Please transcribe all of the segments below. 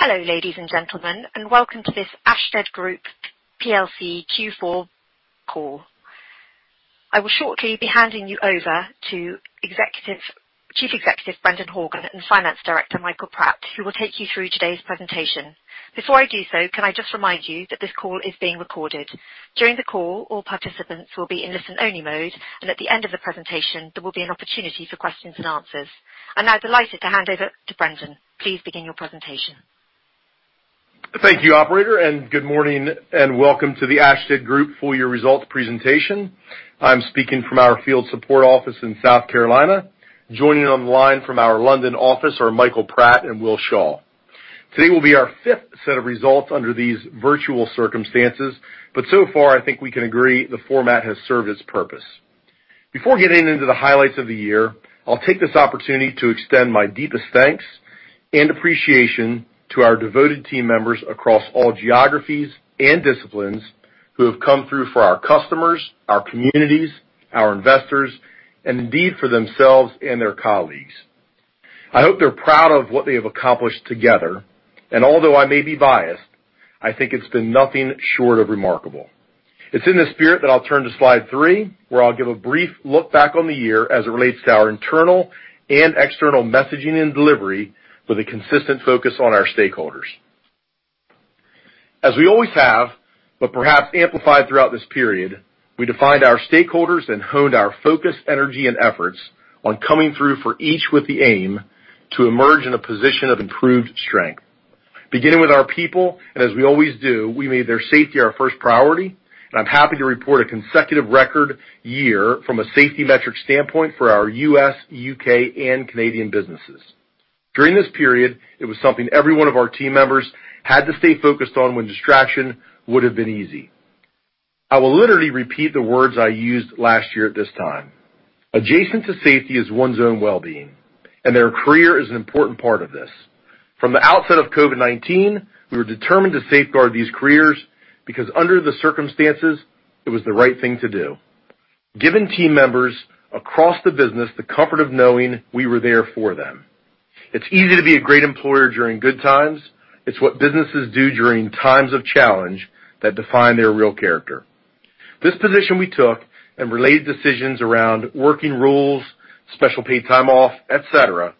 Hello, ladies and gentlemen, and welcome to this Ashtead Group Plc Q4 call. I will shortly be handing you over to Chief Executive, Brendan Horgan, and Finance Director, Michael Pratt, who will take you through today's presentation. Before I do so, can I just remind you that this call is being recorded. During the call, all participants will be in listen only mode, and at the end of the presentation, there will be an opportunity for questions and answers. I'm now delighted to hand over to Brendan. Please begin your presentation. Thank you, operator, and good morning and welcome to the Ashtead Group full year results presentation. I'm speaking from our field support office in South Carolina. Joining online from our London office are Michael Pratt and Will Shaw. Today will be our fifth set of results under these virtual circumstances, but so far, I think we can agree the format has served its purpose. Before getting into the highlights of the year, I'll take this opportunity to extend my deepest thanks and appreciation to our devoted team members across all geographies and disciplines who have come through for our customers, our communities, our investors, and indeed for themselves and their colleagues. I hope they're proud of what they have accomplished together, and although I may be biased, I think it's been nothing short of remarkable. It's in the spirit that I'll turn to slide three, where I'll give a brief look back on the year as it relates to our internal and external messaging and delivery with a consistent focus on our stakeholders. As we always have, but perhaps amplified throughout this period, we defined our stakeholders and honed our focus, energy, and efforts on coming through for each with the aim to emerge in a position of improved strength. Beginning with our people, and as we always do, we made their safety our first priority, and I'm happy to report a consecutive record year from a safety metric standpoint for our U.S., U.K., and Canadian businesses. During this period, it was something every one of our team members had to stay focused on when distraction would've been easy. I will literally repeat the words I used last year at this time. Adjacent to safety is one's own wellbeing, and their career is an important part of this. From the outset of COVID-19, we were determined to safeguard these careers because under the circumstances, it was the right thing to do, giving team members across the business the comfort of knowing we were there for them. It's easy to be a great employer during good times. It's what businesses do during times of challenge that define their real character. This position we took and related decisions around working rules, special paid time off, et cetera,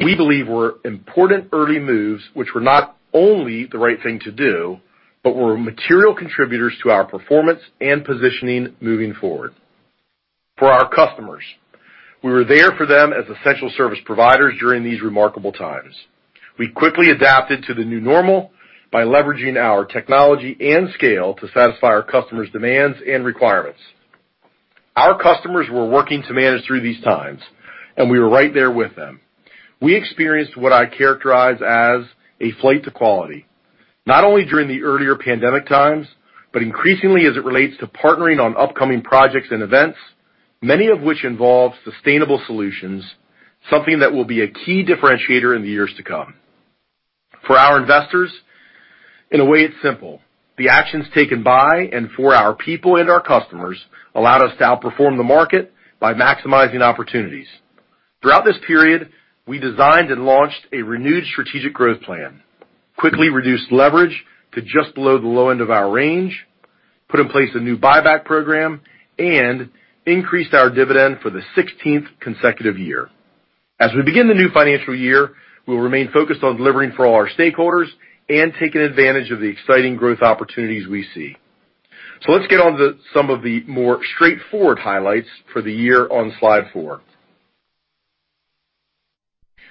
we believe were important early moves, which were not only the right thing to do, but were material contributors to our performance and positioning moving forward. For our customers, we were there for them as essential service providers during these remarkable times. We quickly adapted to the new normal by leveraging our technology and scale to satisfy our customers' demands and requirements. Our customers were working to manage through these times, and we were right there with them. We experienced what I characterize as a flight to quality, not only during the earlier pandemic times, but increasingly as it relates to partnering on upcoming projects and events, many of which involve sustainable solutions, something that will be a key differentiator in the years to come. For our investors, in a way, it's simple. The actions taken by and for our people and our customers allowed us to outperform the market by maximizing opportunities. Throughout this period, we designed and launched a renewed strategic growth plan, quickly reduced leverage to just below the low end of our range, put in place a new buyback program, and increased our dividend for the 16th consecutive year. As we begin the new financial year, we'll remain focused on delivering for all our stakeholders and taking advantage of the exciting growth opportunities we see. Let's get on to some of the more straightforward highlights for the year on slide four.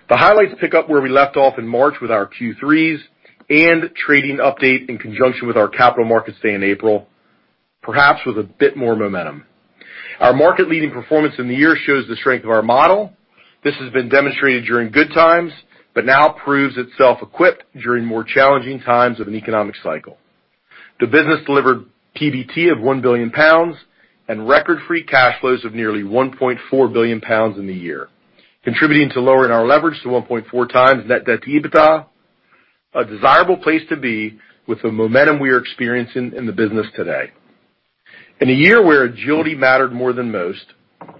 The highlights pick up where we left off in March with our Q3s and trading update in conjunction with our Capital Markets Day in April, perhaps with a bit more momentum. Our market leading performance in the year shows the strength of our model. This has been demonstrated during good times, but now proves itself equipped during more challenging times of an economic cycle. The business delivered PBT of 1 billion pounds and record free cash flows of nearly 1.4 billion pounds in the year, contributing to lowering our leverage to 1.4x net debt to EBITDA, a desirable place to be with the momentum we are experiencing in the business today. In a year where agility mattered more than most,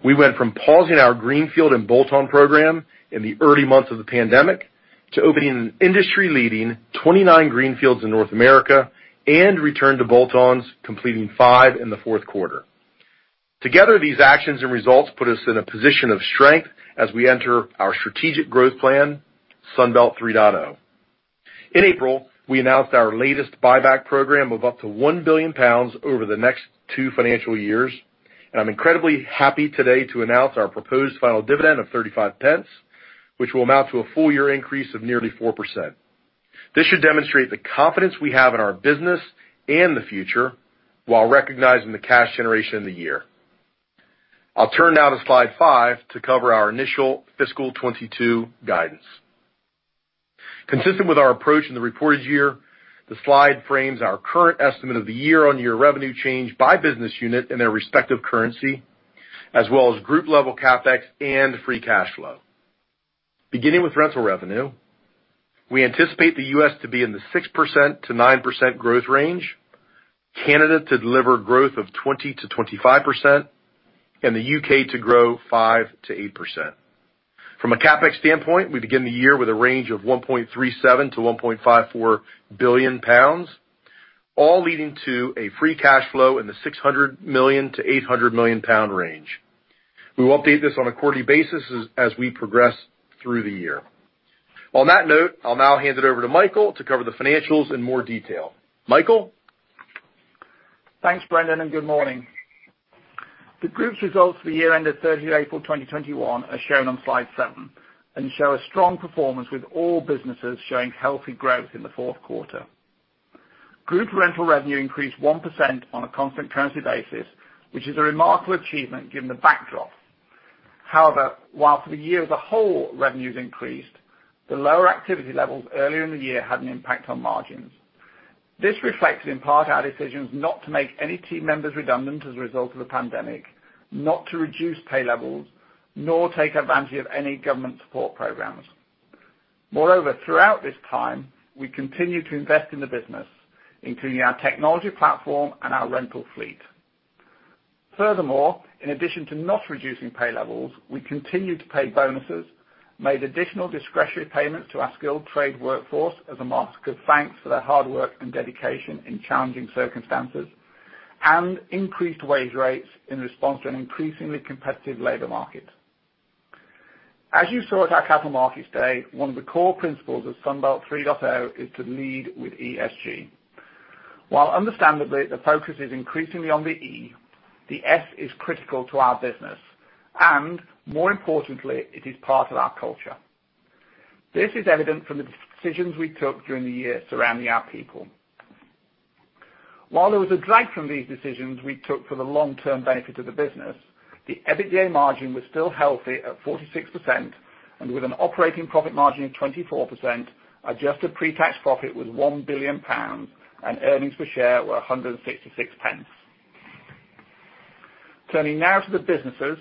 we went from pausing our greenfield and bolt-on program in the early months of the pandemic to opening an industry-leading 29 greenfields in North America and returned to bolt-ons, completing five in the fourth quarter. Together, these actions and results put us in a position of strength as we enter our strategic growth plan, Sunbelt 3.0. In April, we announced our latest buyback program of up to 1 billion pounds over the next two financial years. I'm incredibly happy today to announce our proposed final dividend of 0.35, which will amount to a full year increase of nearly 4%. This should demonstrate the confidence we have in our business and the future while recognizing the cash generation in the year. I'll turn now to slide five to cover our initial fiscal 2022 guidance. Consistent with our approach in the reported year, the slide frames our current estimate of the year-on-year revenue change by business unit and their respective currency, as well as group level CapEx and free cash flow. Beginning with rental revenue, we anticipate the U.S. to be in the 6%-9% growth range Canada to deliver growth of 20%-25%, and the U.K. to grow 5%-8%. From a CapEx standpoint, we begin the year with a range of 1.37 billion-1.54 billion pounds, all leading to a free cash flow in the 600 million-800 million pound range. We will update this on a quarterly basis as we progress through the year. On that note, I'll now hand it over to Michael to cover the financials in more detail. Michael? Thanks, Brendan, and good morning. The group's results for the year ended 30 April 2021 are shown on slide seven and show a strong performance with all businesses showing healthy growth in the fourth quarter. Group rental revenue increased 1% on a constant currency basis, which is a remarkable achievement given the backdrop. However, while for the year as a whole revenues increased, the lower activity levels earlier in the year had an impact on margins. This reflects in part our decisions not to make any team members redundant as a result of the pandemic, not to reduce pay levels, nor take advantage of any government support programs. Moreover, throughout this time, we continued to invest in the business, including our technology platform and our rental fleet. In addition to not reducing pay levels, we continued to pay bonuses, made additional discretionary payments to our skilled trade workforce as a mark of good thanks for their hard work and dedication in challenging circumstances, and increased wage rates in response to an increasingly competitive labor market. As you saw at our Capital Markets Day, one of the core principles of Sunbelt 3.0 is to lead with ESG. While understandably, the focus is increasingly on the E, the S is critical to our business, and more importantly, it is part of our culture. This is evident from the decisions we took during the year surrounding our people. While there was a drag from these decisions we took for the long-term benefit of the business, the EBITDA margin was still healthy at 46%, and with an operating profit margin of 24%, adjusted pre-tax profit was 1 billion pounds and earnings per share were 1.66. Turning now to the businesses,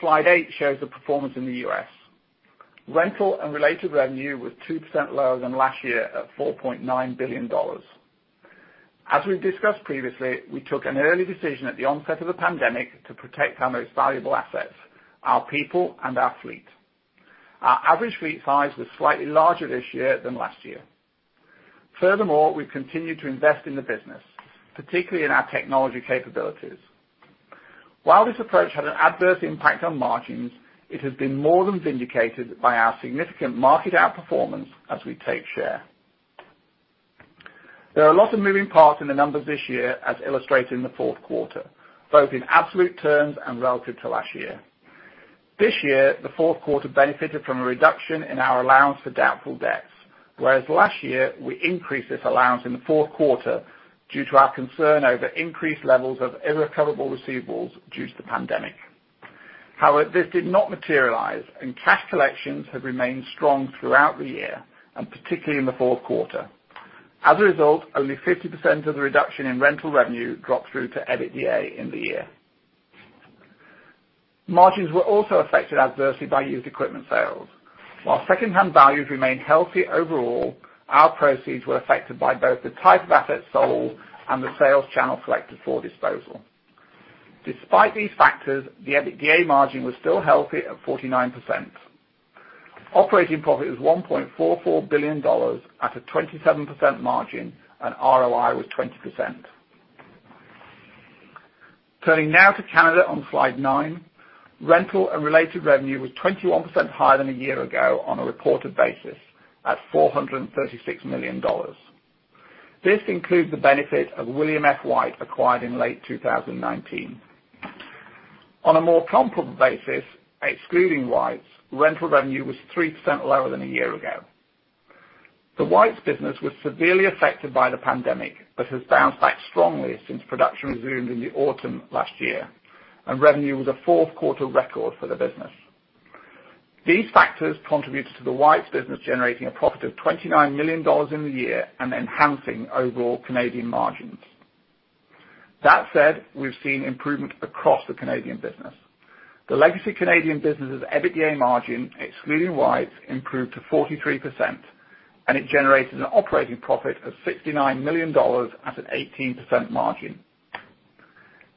slide eight shows the performance in the U.S. Rental and related revenue was 2% lower than last year at $4.9 billion. As we discussed previously, we took an early decision at the onset of the pandemic to protect our most valuable assets, our people and our fleet. Our average fleet size was slightly larger this year than last year. Furthermore, we continued to invest in the business, particularly in our technology capabilities. While this approach had an adverse impact on margins, it has been more than vindicated by our significant market outperformance as we take share. There are a lot of moving parts in the numbers this year, as illustrated in the fourth quarter, both in absolute terms and relative to last year. This year, the fourth quarter benefited from a reduction in our allowance for doubtful debts, whereas last year, we increased this allowance in the fourth quarter due to our concern over increased levels of irrecoverable receivables due to the pandemic. This did not materialize, and cash collections have remained strong throughout the year, and particularly in the fourth quarter. As a result, only 50% of the reduction in rental revenue dropped through to EBITDA in the year. Margins were also affected adversely by used equipment sales. Secondhand values remained healthy overall, our proceeds were affected by both the type of assets sold and the sales channel selected for disposal. Despite these factors, the EBITDA margin was still healthy at 49%. Operating profit was $1.44 billion at a 27% margin, and ROI was 20%. Turning now to Canada on slide nine, rental and related revenue was 21% higher than a year ago on a reported basis at $436 million. This includes the benefit of William F. White acquired in late 2019. On a more comparable basis, excluding White's, rental revenue was 3% lower than a year ago. The White's business was severely affected by the pandemic but has bounced back strongly since production resumed in the autumn last year, and revenue was a fourth quarter record for the business. These factors contributed to the White's business generating a profit of $29 million in the year and enhancing overall Canadian margins. That said, we've seen improvement across the Canadian business. The legacy Canadian business' EBITDA margin, excluding White's, improved to 43%, and it generated an operating profit of $69 million at an 18% margin.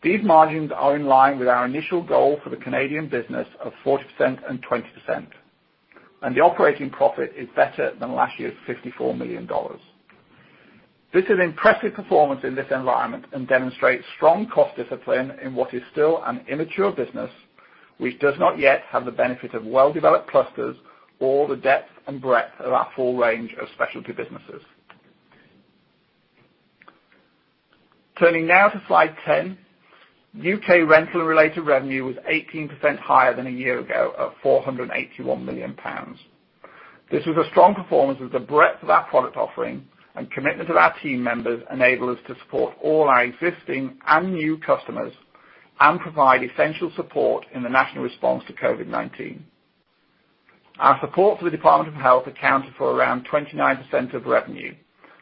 These margins are in line with our initial goal for the Canadian business of 40% and 20%, and the operating profit is better than last year's $54 million. This is impressive performance in this environment and demonstrates strong cost discipline in what is still an immature business, which does not yet have the benefit of well-developed clusters or the depth and breadth of our full range of specialty businesses. Turning now to slide 10. U.K. rental and related revenue was 18% higher than a year ago at 481 million pounds. This was a strong performance as the breadth of our product offering and commitment to our team members enable us to support all our existing and new customers and provide essential support in the national response to COVID-19. Our support for the Department of Health accounted for around 29% of revenue,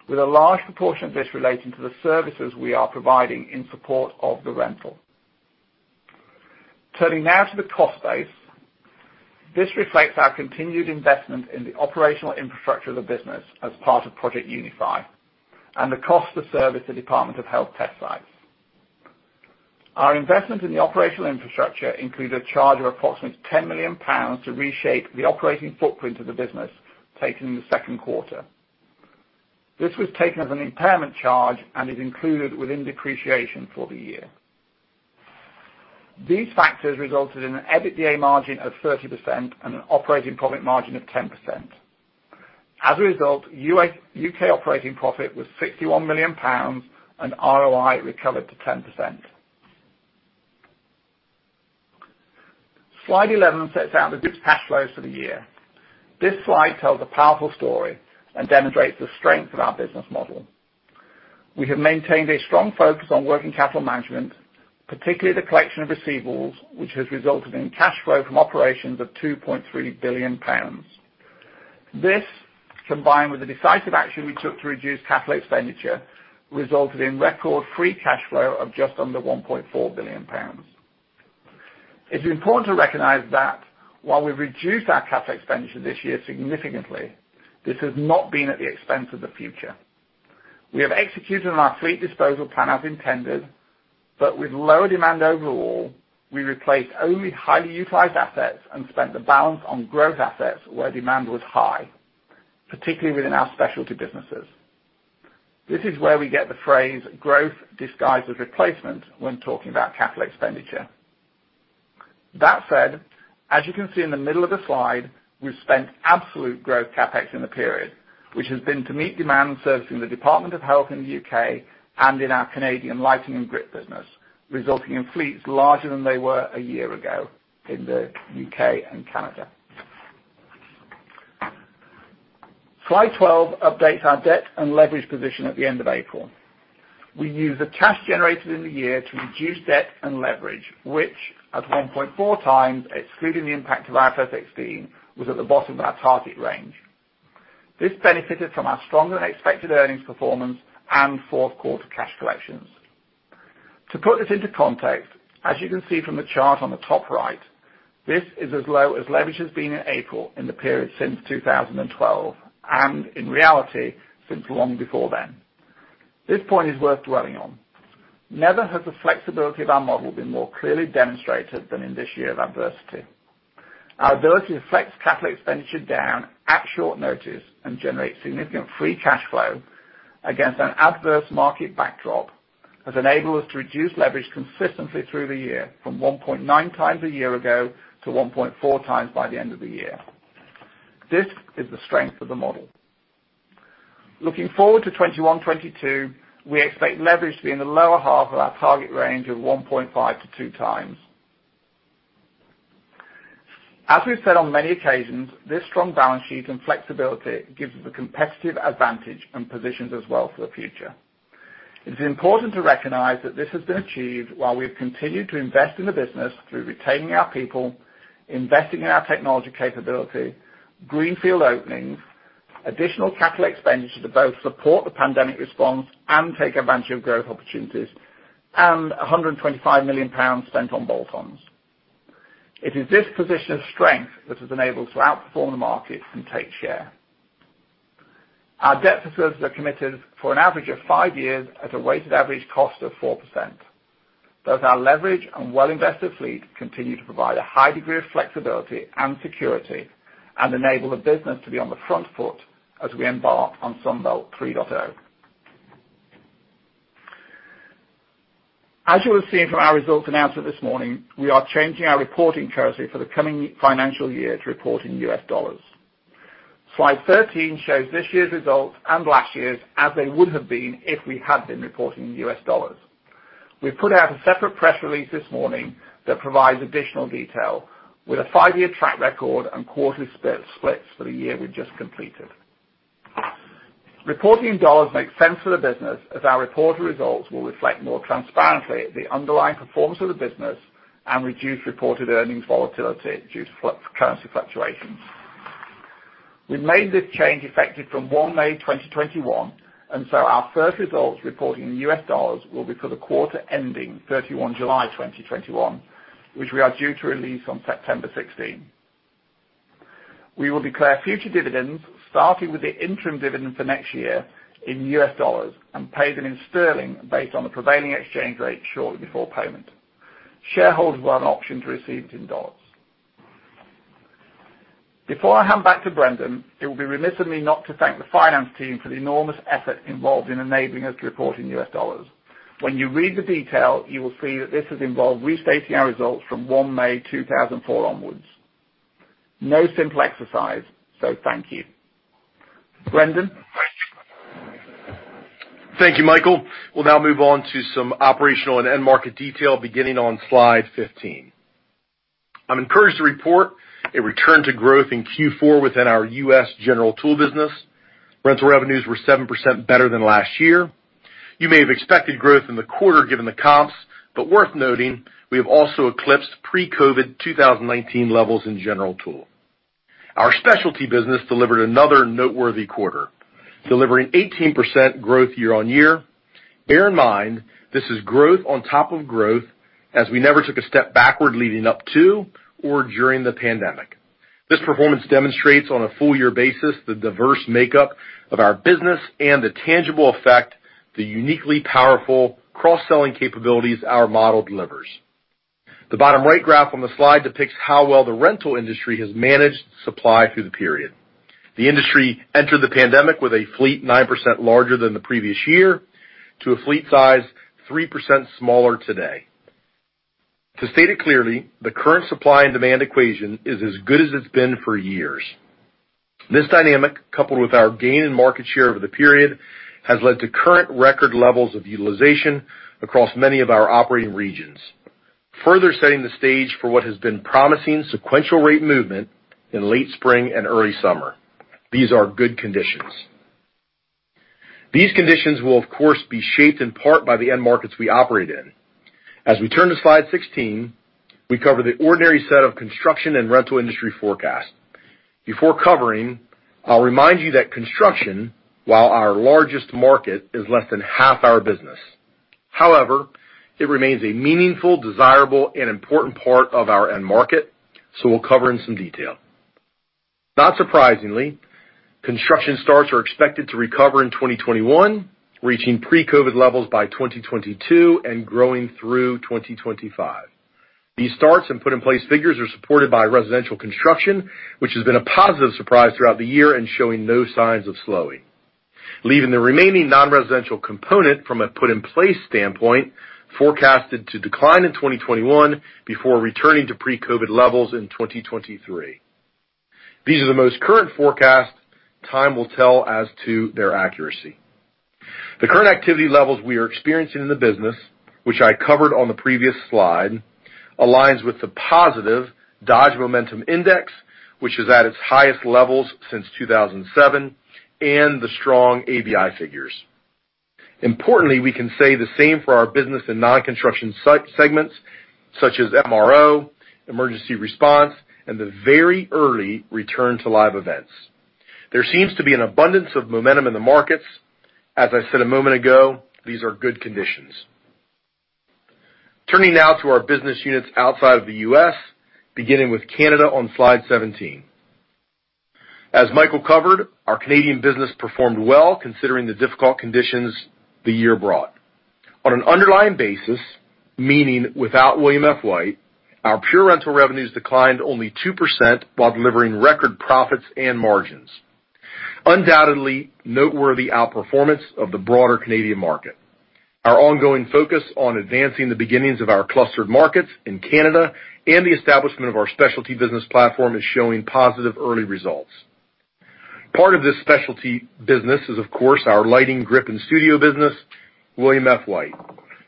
with a large proportion of this relating to the services we are providing in support of the rental. Turning now to the cost base. This reflects our continued investment in the operational infrastructure of the business as part of Project Unify, and the cost to service the Department of Health test sites. Our investment in the operational infrastructure includes a charge of approximately 10 million pounds to reshape the operating footprint of the business taken in the second quarter. This was taken as an impairment charge and is included within depreciation for the year. These factors resulted in an EBITDA margin of 30% and an operating profit margin of 10%. As a result, U.K. operating profit was GBP 61 million, and ROI recovered to 10%. Slide 11 sets out the group's cash flows for the year. This slide tells a powerful story and demonstrates the strength of our business model. We have maintained a strong focus on working capital management, particularly the collection of receivables, which has resulted in cash flow from operations of 2.3 billion pounds. This, combined with the decisive action we took to reduce capital expenditure, resulted in record free cash flow of just under 1.4 billion pounds. It's important to recognize that while we've reduced our capital expenditure this year significantly, this has not been at the expense of the future. We have executed on our fleet disposal plan as intended, but with lower demand overall, we replaced only highly utilized assets and spent the balance on growth assets where demand was high, particularly within our specialty businesses. This is where we get the phrase growth disguised as replacement when talking about capital expenditure. That said, as you can see in the middle of the slide, we've spent absolute growth CapEx in the period, which has been to meet demand servicing the Department of Health in the U.K. and in our Canadian lighting and grip business, resulting in fleets larger than they were a year ago in the U.K. and Canada. Slide 12 updates our debt and leverage position at the end of April. We used the cash generated in the year to reduce debt and leverage, which at 1.4x, excluding the impact of IFRS 16, was at the bottom of our target range. This benefited from our stronger than expected earnings performance and fourth quarter cash collections. To put this into context, as you can see from the chart on the top right, this is as low as leverage has been in April in the period since 2012, and in reality, since long before then. This point is worth dwelling on. Never has the flexibility of our model been more clearly demonstrated than in this year of adversity. Our ability to flex capital expenditure down at short notice and generate significant free cash flow against an adverse market backdrop has enabled us to reduce leverage consistently through the year from 1.9x a year ago to 1.4x by the end of the year. This is the strength of the model. Looking forward to 2021/2022, we expect leverage to be in the lower half of our target range of 1.5x-2x. As we've said on many occasions, this strong balance sheet and flexibility gives us a competitive advantage and positions us well for the future. It's important to recognize that this has been achieved while we've continued to invest in the business through retaining our people, investing in our technology capability, greenfield openings, additional capital expenditures to both support the pandemic response and take advantage of growth opportunities, and 125 million pounds spent on bolt-ons. It is this position of strength that has enabled us to outperform the market and take share. Our debt facilities are committed for an average of five years at a weighted average cost of 4%. Both our leverage and well-invested fleet continue to provide a high degree of flexibility and security and enable the business to be on the front foot as we embark on Sunbelt 3.0. As you will have seen from our results announcement this morning, we are changing our reporting currency for the coming financial year to report in U.S. dollars. Slide 13 shows this year's results and last year's as they would have been if we had been reporting in U.S. dollars. We put out a separate press release this morning that provides additional detail with a five-year track record and quarterly splits for the year we just completed. Reporting in USD makes sense for the business as our reported results will reflect more transparently the underlying performance of the business and reduce reported earnings volatility due to currency fluctuations. We made this change effective from 1 May 2021. Our first results reporting in USD will be for the quarter ending 31 July 2021, which we are due to release on September 16. We will declare future dividends, starting with the interim dividend for next year in USD and pay them in GBP based on the prevailing exchange rate shortly before payment. Shareholders will have an option to receive it in USD. Before I hand back to Brendan, it would be remiss of me not to thank the finance team for the enormous effort involved in enabling us to report in USD. When you read the detail, you will see that this has involved restating our results from one May 2004 onwards. No simple exercise. Thank you. Brendan? Thank you, Michael. We'll now move on to some operational and end market detail beginning on slide 15. I'm encouraged to report a return to growth in Q4 within our U.S. general tool business. Rental revenues were 7% better than last year. You may have expected growth in the quarter given the comps, but worth noting, we have also eclipsed pre-COVID-19 2019 levels in general tool. Our specialty business delivered another noteworthy quarter, delivering 18% growth year-on-year. Bear in mind, this is growth on top of growth as we never took a step backward leading up to or during the pandemic. This performance demonstrates on a full year basis the diverse makeup of our business and the tangible effect, the uniquely powerful cross-selling capabilities our model delivers. The bottom right graph on the slide depicts how well the rental industry has managed supply through the period. The industry entered the pandemic with a fleet 9% larger than the previous year to a fleet size 3% smaller today. To state it clearly, the current supply and demand equation is as good as it's been for years. This dynamic, coupled with our gain in market share over the period, has led to current record levels of utilization across many of our operating regions. Further setting the stage for what has been promising sequential rate movement in late spring and early summer. These are good conditions. These conditions will, of course, be shaped in part by the end markets we operate in. As we turn to slide 16, we cover the ordinary set of construction and rental industry forecast. Before covering, I'll remind you that construction, while our largest market, is less than half our business. However, it remains a meaningful, desirable, and important part of our end market, so we'll cover in some detail. Not surprisingly, construction starts are expected to recover in 2021, reaching pre-COVID levels by 2022 and growing through 2025. These starts and put in place figures are supported by residential construction, which has been a positive surprise throughout the year and showing no signs of slowing. Leaving the remaining non-residential component from a put in place standpoint forecasted to decline in 2021 before returning to pre-COVID levels in 2023. These are the most current forecasts. Time will tell as to their accuracy. The current activity levels we are experiencing in the business, which I covered on the previous slide, aligns with the positive Dodge Momentum Index, which is at its highest levels since 2007, and the strong ABI figures. Importantly, we can say the same for our business and non-construction segments such as MRO, emergency response, and the very early return to live events. There seems to be an abundance of momentum in the markets. As I said a moment ago, these are good conditions. Turning now to our business units outside of the U.S., beginning with Canada on slide 17. As Michael covered, our Canadian business performed well considering the difficult conditions the year brought. On an underlying basis, meaning without William F. White, our pure rental revenues declined only 2% while delivering record profits and margins. Undoubtedly noteworthy outperformance of the broader Canadian market. Our ongoing focus on advancing the beginnings of our clustered markets in Canada and the establishment of our specialty business platform is showing positive early results. Part of this specialty business is, of course, our lighting grip and studio business, William F. White's,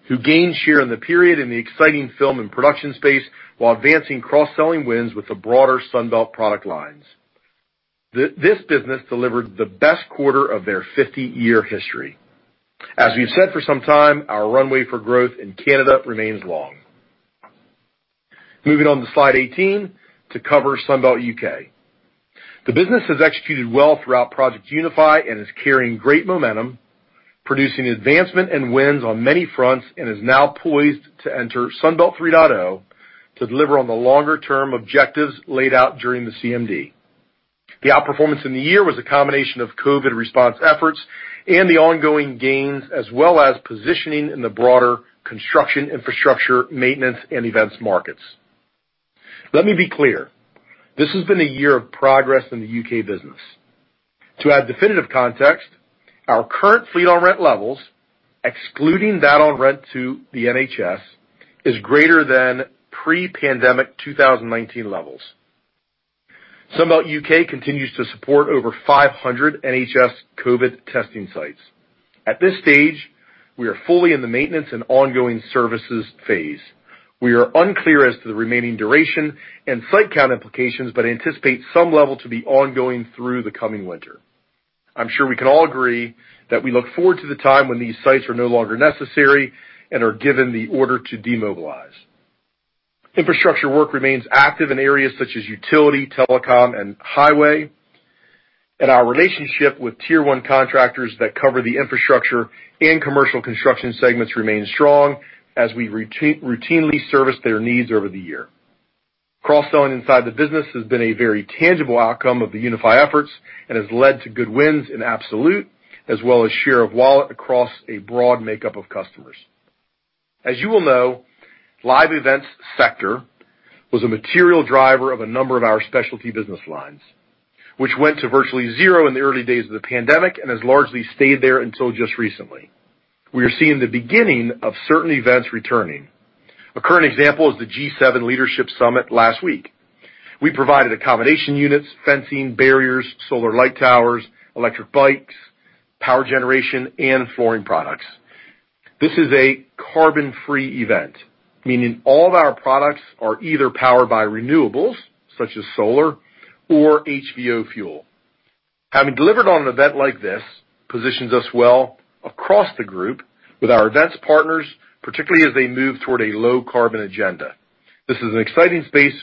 who gained share in the period in the exciting film and production space while advancing cross-selling wins with the broader Sunbelt product lines. This business delivered the best quarter of their 50-year history. We've said for some time, our runway for growth in Canada remains long. Moving on to slide 18 to cover Sunbelt U.K. The business has executed well throughout Project Unify and is carrying great momentum, producing advancement and wins on many fronts, and is now poised to enter Sunbelt 3.0 to deliver on the longer-term objectives laid out during the CMD. The outperformance in the year was a combination of COVID-19 response efforts and the ongoing gains, as well as positioning in the broader construction infrastructure, maintenance, and events markets. Let me be clear. This has been a year of progress in the U.K. business. To add definitive context, our current fleet on rent levels, excluding that on rent to the NHS, is greater than pre-pandemic 2019 levels. Sunbelt Rentals UK continues to support over 500 NHS COVID-19 testing sites. At this stage, we are fully in the maintenance and ongoing services phase. We are unclear as to the remaining duration and site count implications, but anticipate some level to be ongoing through the coming winter. I'm sure we can all agree that we look forward to the time when these sites are no longer necessary and are given the order to demobilize. Infrastructure work remains active in areas such as utility, telecom, and highway. Our relationship with tier one contractors that cover the infrastructure and commercial construction segments remains strong as we routinely service their needs over the year. Cross-selling inside the business has been a very tangible outcome of the Unify efforts and has led to good wins in absolute as well as share of wallet across a broad makeup of customers. As you all know, live events sector was a material driver of a number of our specialty business lines, which went to virtually zero in the early days of the pandemic and has largely stayed there until just recently. We are seeing the beginning of certain events returning. A current example is the G7 Leadership Summit last week. We provided accommodation units, fencing barriers, solar light towers, electric bikes, power generation, and flooring products. This is a carbon-free event, meaning all of our products are either powered by renewables such as solar or HVO fuel. Having delivered on an event like this positions us well across the group with our events partners, particularly as they move toward a low carbon agenda. This is an exciting space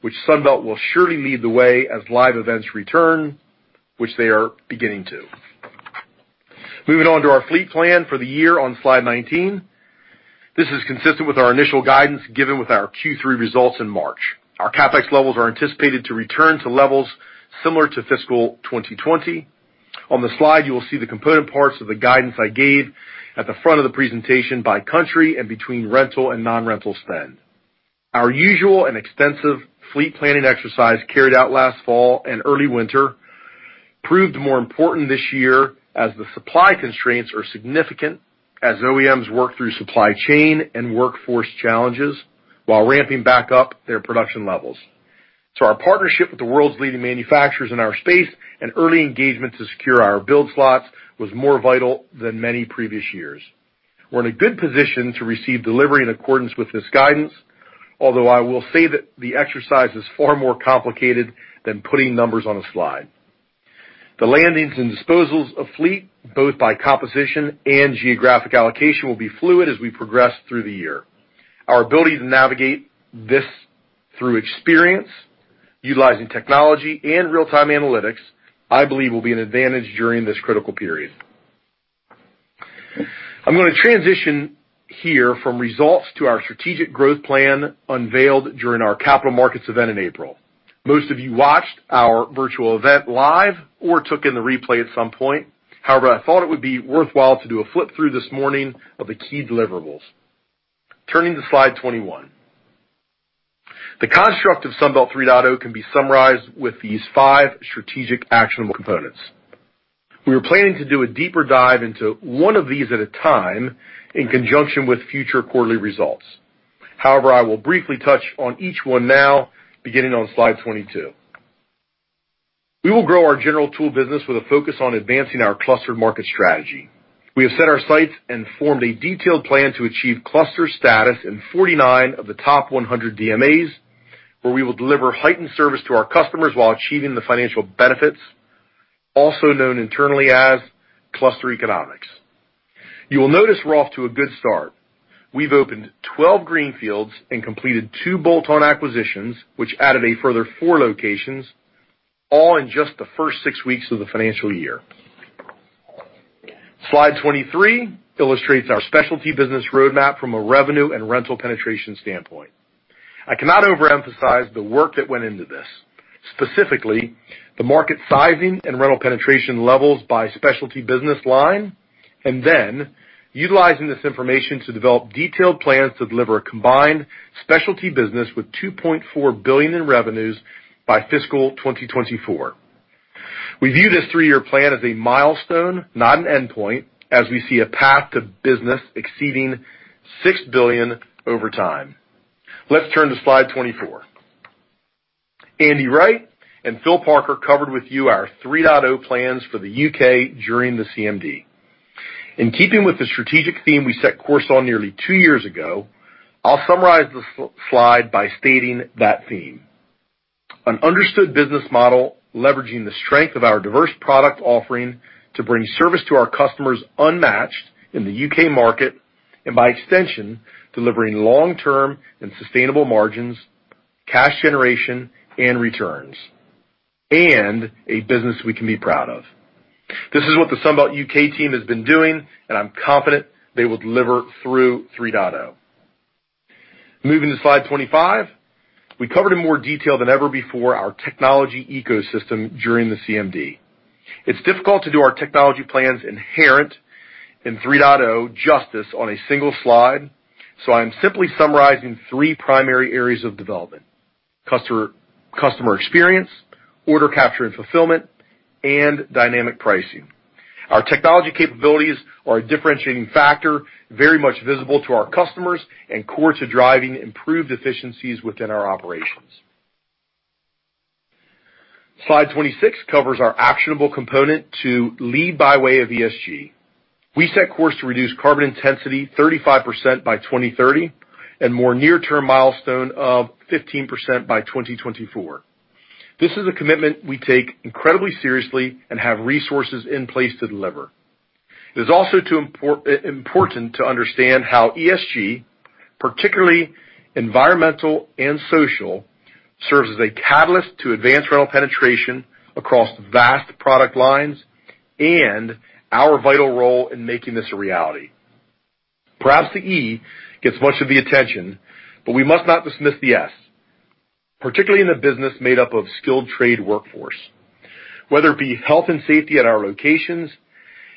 which Sunbelt will surely lead the way as live events return, which they are beginning to. Moving on to our fleet plan for the year on slide 19. This is consistent with our initial guidance given with our Q3 results in March. Our CapEx levels are anticipated to return to levels similar to fiscal 2020. On the slide, you will see the component parts of the guidance I gave at the front of the presentation by country and between rental and non-rental spend. Our usual and extensive fleet planning exercise carried out last fall and early winter proved more important this year as the supply constraints are significant, as OEMs work through supply chain and workforce challenges while ramping back up their production levels. Our partnership with the world's leading manufacturers in our space and early engagement to secure our build slots was more vital than many previous years. We're in a good position to receive delivery in accordance with this guidance, although I will say that the exercise is far more complicated than putting numbers on a slide. The landings and disposals of fleet, both by composition and geographic allocation, will be fluid as we progress through the year. Our ability to navigate this through experience, utilizing technology and real-time analytics, I believe will be an advantage during this critical period. I'm going to transition here from results to our strategic growth plan unveiled during our Capital Markets Day in April. Most of you watched our virtual event live or took in the replay at some point. However, I thought it would be worthwhile to do a flip-through this morning of the key deliverables. Turning to slide 21. The construct of Sunbelt 3.0 can be summarized with these five strategic actionable components. We were planning to do a deeper dive into one of these at a time in conjunction with future quarterly results. However, I will briefly touch on each one now, beginning on slide 22. We will grow our general tool business with a focus on advancing our cluster market strategy. We have set our sights and formed a detailed plan to achieve cluster status in 49 of the top 100 DMAs, where we will deliver heightened service to our customers while achieving the financial benefits, also known internally as cluster economics. You will notice we're off to a good start. We've opened 12 greenfields and completed two bolt-on acquisitions, which added a further four locations, all in just the first six weeks of the financial year. Slide 23 illustrates our specialty business roadmap from a revenue and rental penetration standpoint. I cannot overemphasize the work that went into this, specifically, the market sizing and rental penetration levels by specialty business line, and then utilizing this information to develop detailed plans to deliver a combined specialty business with $2.4 billion in revenues by fiscal 2024. We view this three-year plan as a milestone, not an endpoint, as we see a path to business exceeding $6 billion over time. Let's turn to slide 24. Andy Wright and Phil Parker covered with you our Sunbelt 3.0 plans for the U.K. during the CMD. In keeping with the strategic theme we set course on nearly two years ago, I'll summarize this slide by stating that theme. An understood business model leveraging the strength of our diverse product offering to bring service to our customers unmatched in the U.K. market, and by extension, delivering long-term and sustainable margins, cash generation, and returns, and a business we can be proud of. This is what the Sunbelt U.K. team has been doing, and I'm confident they will deliver through Sunbelt 3.0. Moving to slide 25. We covered in more detail than ever before our technology ecosystem during the CMD. It's difficult to do our technology plans inherent in Sunbelt 3.0 justice on a single slide. I am simply summarizing three primary areas of development. Customer experience, order capture and fulfillment, and dynamic pricing. Our technology capabilities are a differentiating factor, very much visible to our customers and core to driving improved efficiencies within our operations. Slide 26 covers our actionable component to lead by way of ESG. We set course to reduce carbon intensity 35% by 2030 and more near-term milestone of 15% by 2024. This is a commitment we take incredibly seriously and have resources in place to deliver. It is also important to understand how ESG, particularly environmental and social, serves as a catalyst to advance rental penetration across vast product lines, and our vital role in making this a reality. Perhaps the "E" gets much of the attention. We must not dismiss the "S", particularly in a business made up of skilled trade workforce. Whether it be health and safety at our locations,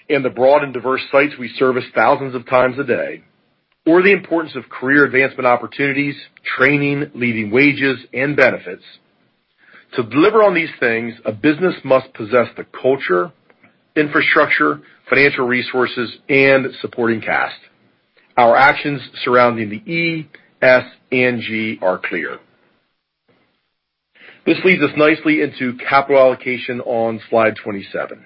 in the broad and diverse sites we service thousands of times a day, or the importance of career advancement opportunities, training, leading wages and benefits. To deliver on these things, a business must possess the culture, infrastructure, financial resources, and supporting cast. Our actions surrounding the "E," "S," and "G" are clear. This leads us nicely into capital allocation on slide 27.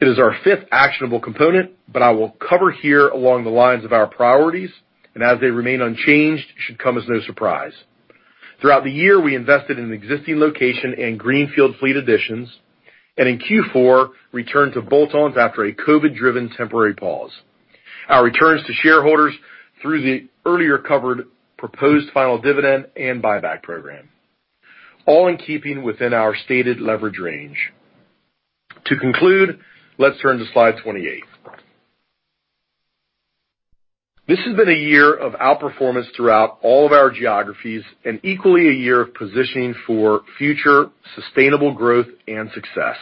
It is our fifth actionable component. I will cover here along the lines of our priorities, and as they remain unchanged, should come as no surprise. Throughout the year, we invested in existing location and greenfield fleet additions, and in Q4, returned to bolt-ons after a COVID-driven temporary pause. Our returns to shareholders through the earlier-covered proposed final dividend and buyback program, all in keeping within our stated leverage range. To conclude, let's turn to slide 28. This has been a year of outperformance throughout all of our geographies and equally a year of positioning for future sustainable growth and success.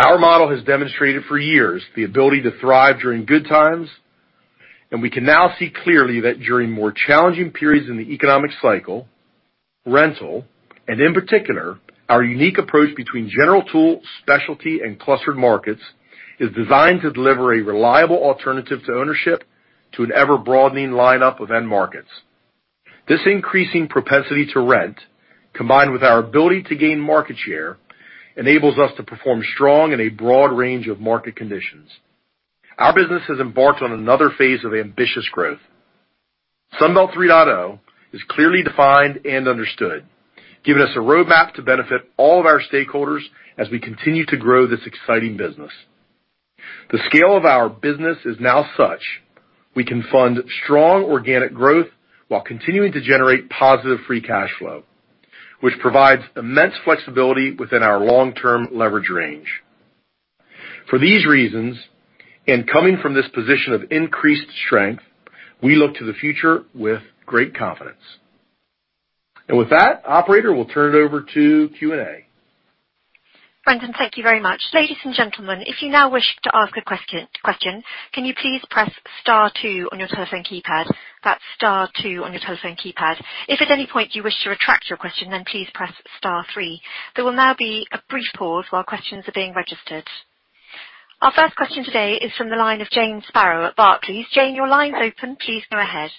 Our model has demonstrated for years the ability to thrive during good times, and we can now see clearly that during more challenging periods in the economic cycle, rental, and in particular, our unique approach between general tool, specialty, and clustered markets, is designed to deliver a reliable alternative to ownership to an ever-broadening lineup of end markets. This increasing propensity to rent, combined with our ability to gain market share, enables us to perform strong in a broad range of market conditions. Our business has embarked on another phase of ambitious growth. Sunbelt 3.0 is clearly defined and understood, giving us a roadmap to benefit all of our stakeholders as we continue to grow this exciting business. The scale of our business is now such we can fund strong organic growth while continuing to generate positive free cash flow, which provides immense flexibility within our long-term leverage range. For these reasons, and coming from this position of increased strength, we look to the future with great confidence. With that, operator, we'll turn it over to Q&A. Brendan, thank you very much. Ladies and gentlemen, if you now wish to ask a question, can you please press star two on your telephone keypad? That's star two on your telephone keypad. If at any point you wish to retract your question, please press star three. There will now be a brief pause while questions are being registered. Our first question today is from the line of Jane Sparrow at Barclays. Jane, your line's open. Please go ahead.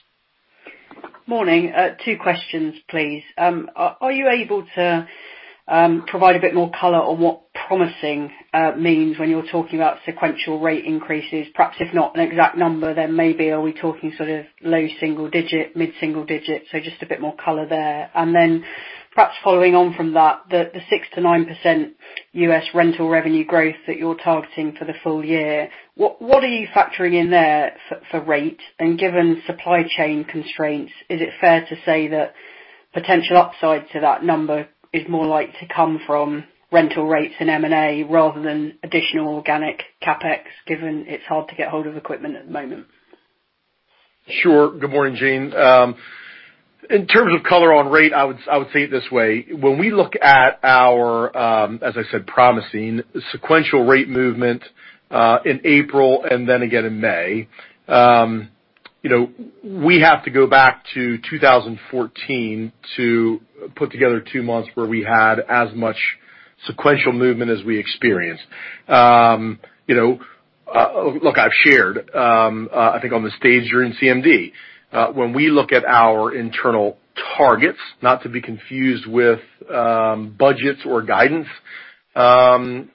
Morning. Two questions, please. Are you able to provide a bit more color on what promising means when you're talking about sequential rate increases? Perhaps if not an exact number, then maybe are we talking sort of low single-digit, mid-single-digit? Just a bit more color there. Perhaps following on from that, the 6%-9% U.S. rental revenue growth that you're targeting for the full year, what are you factoring in there for rate? Given supply chain constraints, is it fair to say that potential upside to that number is more likely to come from rental rates and M&A rather than additional organic CapEx, given it's hard to get hold of equipment at the moment? Sure. Good morning, Jane. In terms of color on rate, I would say it this way. When we look at our, as I said, promising sequential rate movement in April and then again in May, we have to go back to 2014 to put together two months where we had as much sequential movement as we experienced. Look, I've shared, I think on the stage during CMD. When we look at our internal targets, not to be confused with budgets or guidance,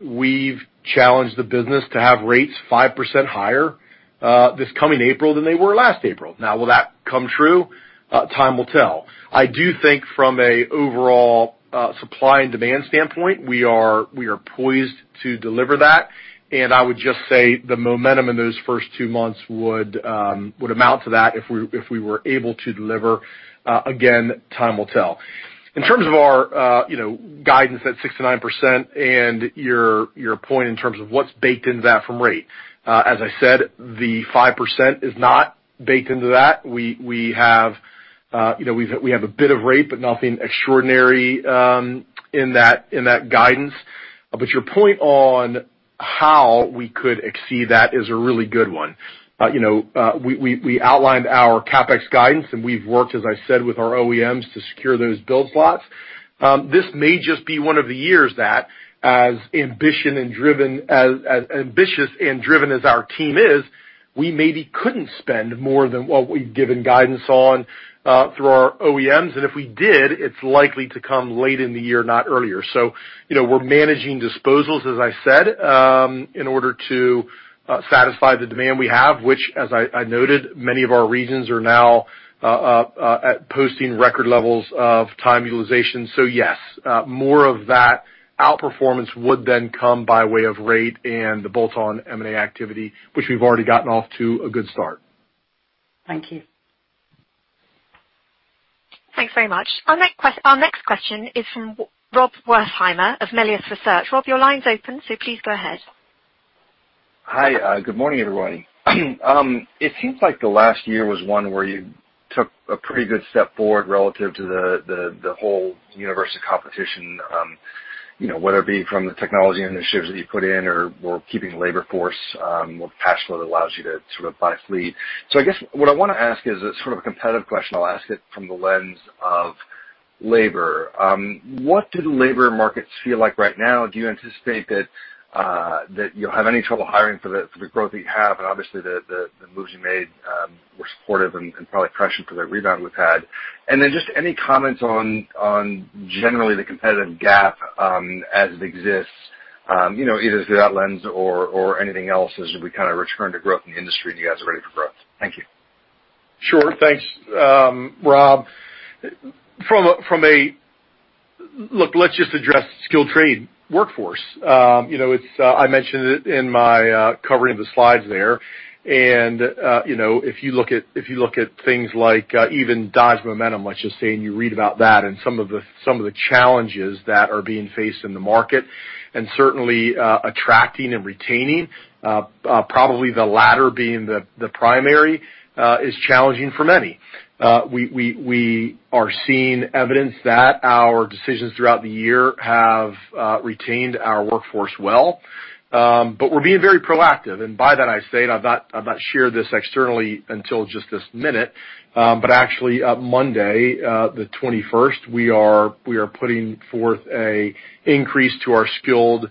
we've challenged the business to have rates 5% higher this coming April than they were last April. Now, will that come true? Time will tell. I do think from a overall supply and demand standpoint, we are poised to deliver that, and I would just say the momentum in those first two months would amount to that if we were able to deliver. Again, time will tell. In terms of our guidance at 6%-9% and your point in terms of what's baked into that from rate. As I said, the 5% is not baked into that. We have a bit of rate, but nothing extraordinary in that guidance. Your point on how we could exceed that is a really good one. We outlined our CapEx guidance and we've worked, as I said, with our OEMs to secure those build slots. This may just be one of the years that as ambitious and driven as our team is, we maybe couldn't spend more than what we've given guidance on through our OEMs. If we did, it's likely to come late in the year, not earlier. We're managing disposals, as I said, in order to satisfy the demand we have, which, as I noted, many of our regions are now posting record levels of time utilization. Yes, more of that outperformance would then come by way of rate and the bolt-on M&A activity, which we've already gotten off to a good start. Thank you. Thanks very much. Our next question is from Rob Wertheimer of Melius Research. Rob, your line's open, so please go ahead. Hi. Good morning, everybody. It seems like the last year was one where you took a pretty good step forward relative to the whole universe of competition, whether it be from the technology initiatives that you put in or keeping labor force, more cash flow that allows you to sort of buy fleet. I guess what I want to ask is sort of a competitive question. I'll ask it from the lens of labor. What do the labor markets feel like right now? Do you anticipate that you'll have any trouble hiring for the growth that you have and obviously the moves you made supportive and probably pressure for the rebound we've had. Then just any comments on generally the competitive gap as it exists, either through that lens or anything else as we kind of return to growth in the industry and you guys are ready for growth. Thank you. Sure. Thanks, Rob. Look, let's just address skilled trade workforce. I mentioned it in my covering of the slides there. If you look at things like even Dodge Momentum, let's just say, and you read about that and some of the challenges that are being faced in the market, and certainly attracting and retaining, probably the latter being the primary, is challenging for many. We are seeing evidence that our decisions throughout the year have retained our workforce well. We're being very proactive, and by that I say, and I've not shared this externally until just this minute, but actually Monday, the 21st, we are putting forth an increase to our skilled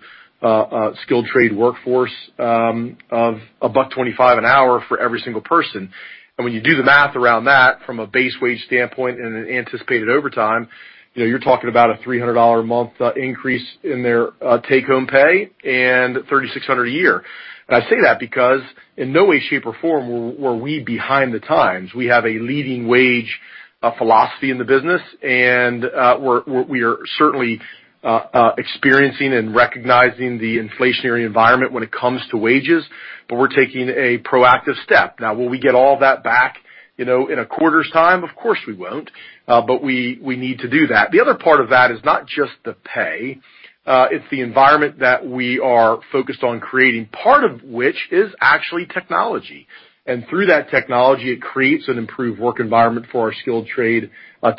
trade workforce of about $25 an hour for every single person. When you do the math around that from a base wage standpoint and an anticipated overtime, you're talking about a $300 a month increase in their take-home pay and $3,600 a year. I say that because in no way, shape, or form were we behind the times. We have a leading wage philosophy in the business, and we are certainly experiencing and recognizing the inflationary environment when it comes to wages, but we're taking a proactive step. Now, will we get all that back in a quarter's time? Of course, we won't. We need to do that. The other part of that is not just the pay, it's the environment that we are focused on creating, part of which is actually technology. Through that technology, it creates an improved work environment for our skilled trade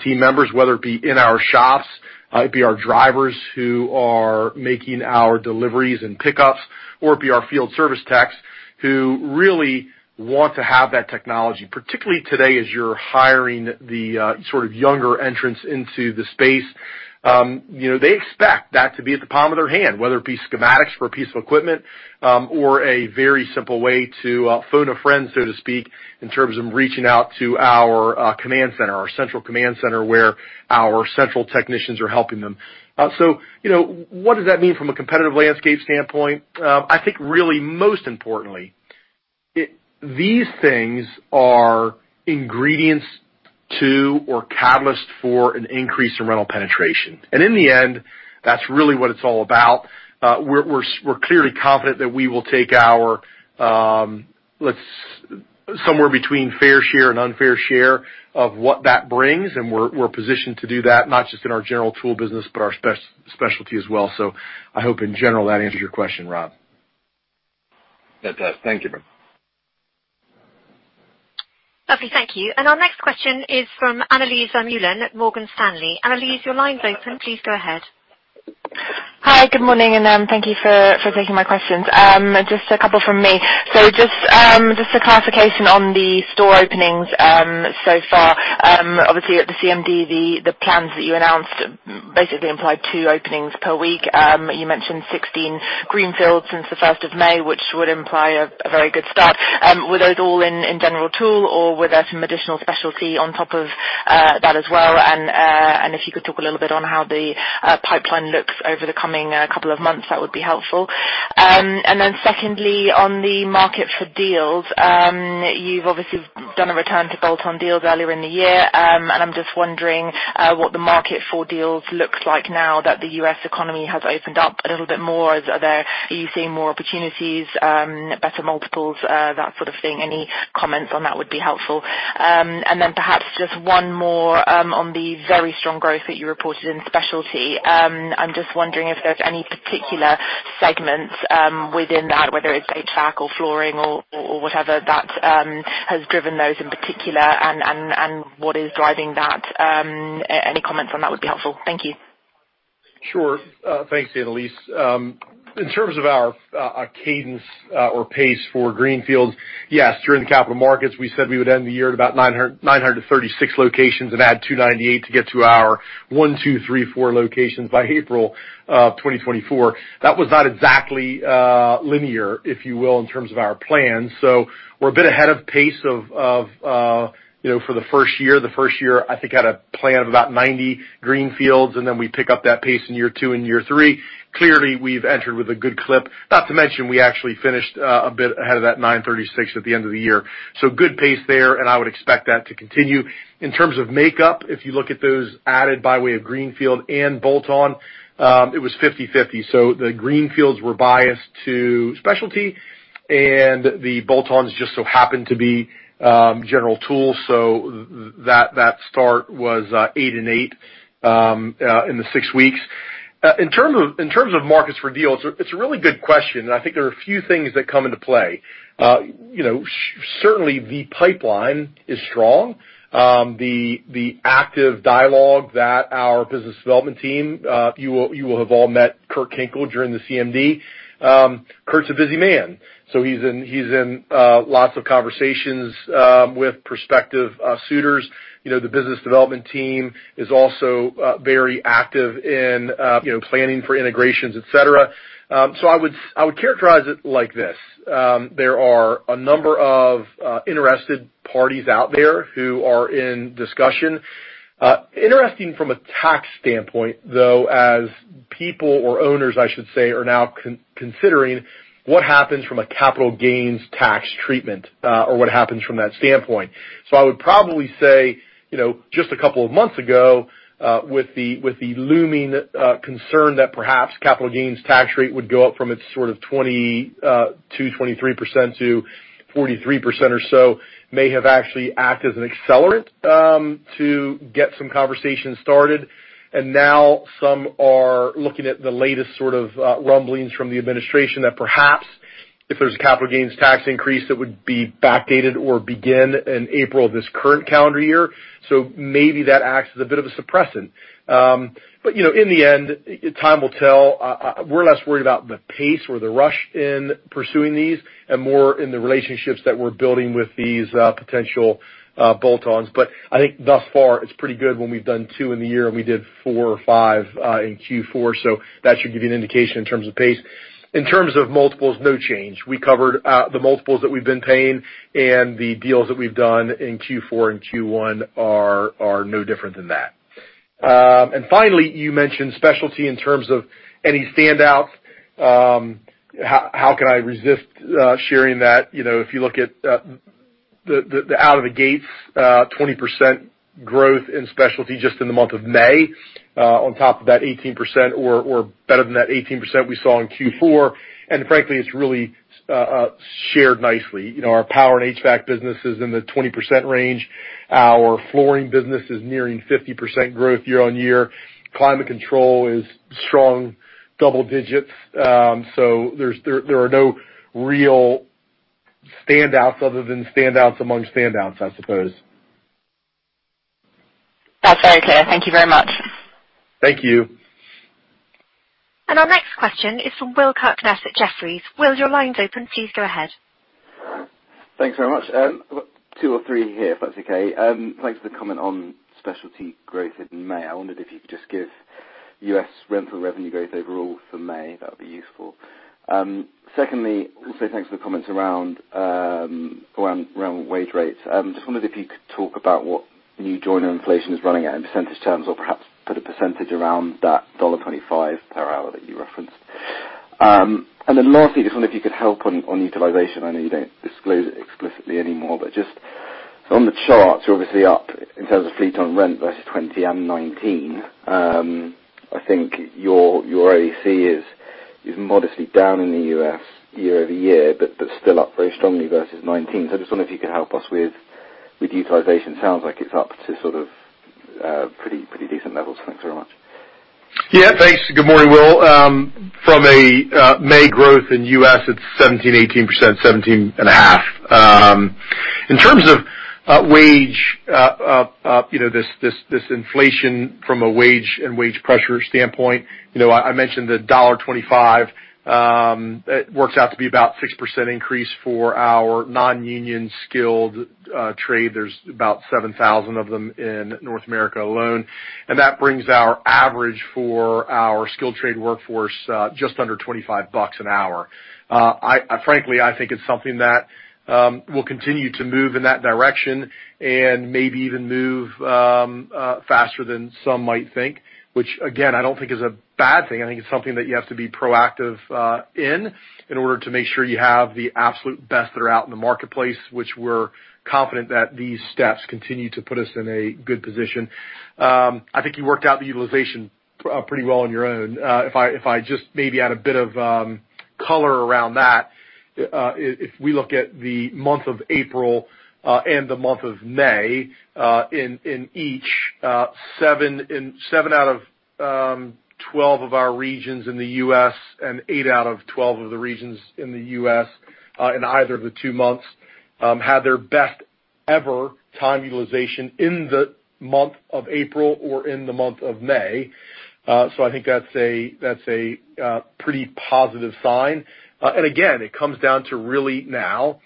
team members, whether it be in our shops, it be our drivers who are making our deliveries and pickups, or it be our field service techs who really want to have that technology. Particularly today as you are hiring the sort of younger entrants into the space. They expect that to be at the palm of their hand, whether it be schematics for a piece of equipment or a very simple way to phone a friend, so to speak, in terms of reaching out to our command center, our central command center where our central technicians are helping them. What does that mean from a competitive landscape standpoint? I think really most importantly, these things are ingredients to or catalyst for an increase in rental penetration. In the end, that's really what it is all about. We're clearly confident that we will take our somewhere between fair share and unfair share of what that brings, and we're positioned to do that, not just in our general tool business, but our specialty as well. I hope in general that answers your question, Rob. That does. Thank you. Lovely. Thank you. Our next question is from Annelies Vermeulen at Morgan Stanley. Annelies, your line's open. Please go ahead. Hi. Good morning, and thank you for taking my questions. Just a couple from me. Just a clarification on the store openings so far. Obviously, at the CMD, the plans that you announced basically implied two openings per week. You mentioned 16 greenfields since the 1st of May, which would imply a very good start. Were those all in general tool, or were there some additional specialty on top of that as well? If you could talk a little bit on how the pipeline looks over the coming couple of months, that would be helpful. Secondly, on the market for deals, you've obviously done a return to bolt-on deals earlier in the year. I'm just wondering what the market for deals looks like now that the U.S. economy has opened up a little bit more. Are you seeing more opportunities, better multiples, that sort of thing? Any comments on that would be helpful. Perhaps just one more on the very strong growth that you reported in specialty. I'm just wondering if there's any particular segments within that, whether it's HVAC or flooring or whatever, that has driven those in particular, and what is driving that. Any comments on that would be helpful. Thank you. Sure. Thanks, Annelies. In terms of our cadence or pace for greenfields, yes, during the Capital Markets, we said we would end the year at about 936 locations and add 298 to get to our 1,234 locations by April of 2024. That was not exactly linear, if you will, in terms of our plan. We're a bit ahead of pace for the first year. The first year, I think, had a plan of about 90 greenfields, and then we pick up that pace in year two and year three. Clearly, we've entered with a good clip. Not to mention, we actually finished a bit ahead of that 936 at the end of the year. Good pace there, and I would expect that to continue. In terms of makeup, if you look at those added by way of greenfield and bolt-on, it was 50/50. The greenfields were biased to specialty, and the bolt-ons just so happened to be general tool. That start was eight and eight in the six weeks. In terms of markets for deals, it's a really good question, and I think there are a few things that come into play. Certainly, the pipeline is strong. The active dialogue that our business development team you will have all met Kirk Hinkle during the CMD. Kirk's a busy man, so he's in lots of conversations with prospective suitors. The business development team is also very active in planning for integrations, et cetera. I would characterize it like this. There are a number of interested parties out there who are in discussion. Interesting from a tax standpoint, though, as people or owners, I should say, are now considering what happens from a capital gains tax treatment, or what happens from that standpoint. I would probably say, just a couple of months ago, with the looming concern that perhaps capital gains tax rate would go up from its sort of 22%, 23% to 43% or so, may have actually acted as an accelerant to get some conversations started. Now some are looking at the latest rumblings from the administration that perhaps if there's a capital gains tax increase, that would be backdated or begin in April of this current calendar year. Maybe that acts as a bit of a suppressant. In the end, time will tell. We're less worried about the pace or the rush in pursuing these, and more in the relationships that we're building with these potential bolt-ons. I think thus far, it's pretty good when we've done two in the year, and we did four or five in Q4, that should give you an indication in terms of pace. In terms of multiples, no change. We covered the multiples that we've been paying, the deals that we've done in Q4 and Q1 are no different than that. Finally, you mentioned specialty in terms of any standouts. How can I resist sharing that? If you look at the out of the gates 20% growth in specialty just in the month of May, on top of that 18% or better than that 18% we saw in Q4, frankly, it's really shared nicely. Our power and HVAC business is in the 20% range. Our flooring business is nearing 50% growth year-on-year. Climate control is strong double digits. There are no real standouts other than standouts among standouts, I suppose. That's very clear. Thank you very much. Thank you. Our next question is from Will Kirkness at Jefferies. Will, your line's open. Please go ahead. Thanks very much. I've got two or three here, if that's okay. Thanks for the comment on specialty growth in May. I wondered if you could just give U.S. rental revenue growth overall for May. That would be useful. Secondly, also, thanks for the comments around wage rates. Just wondered if you could talk about what new joiner inflation is running at in percentage terms, or perhaps put a percentage around that $1.25 per hour that you referenced. Lastly, just wonder if you could help on utilization. I know you don't disclose it explicitly anymore, but just on the charts, you're obviously up in terms of fleet on rent versus 2020 and 2019. I think your OEC is modestly down in the U.S. year-over-year, but still up very strongly versus 2019. I just wonder if you could help us with utilization. Sounds like it's up to pretty decent levels. Thanks very much. Yeah. Thanks. Good morning, Will. From a May growth in U.S., it's 17%, 18%, 17.5%. In terms of wage, this inflation from a wage and wage pressure standpoint, I mentioned the $1.25. It works out to be about 6% increase for our non-union skilled trade. That brings our average for our skilled trade workforce just under $25 a hour. Frankly, I think it's something that will continue to move in that direction and maybe even move faster than some might think, which again, I don't think is a bad thing. I think it's something that you have to be proactive in order to make sure you have the absolute best that are out in the marketplace, which we're confident that these steps continue to put us in a good position. I think you worked out the utilization pretty well on your own. If I just maybe add a bit of color around that. If we look at the month of April and the month of May, in each, seven out of 12 of our regions in the U.S. and eight out of 12 of the regions in the U.S., in either of the two months, had their best ever time utilization in the month of April or in the month of May. I think that's a pretty positive sign. Again, it comes down to really now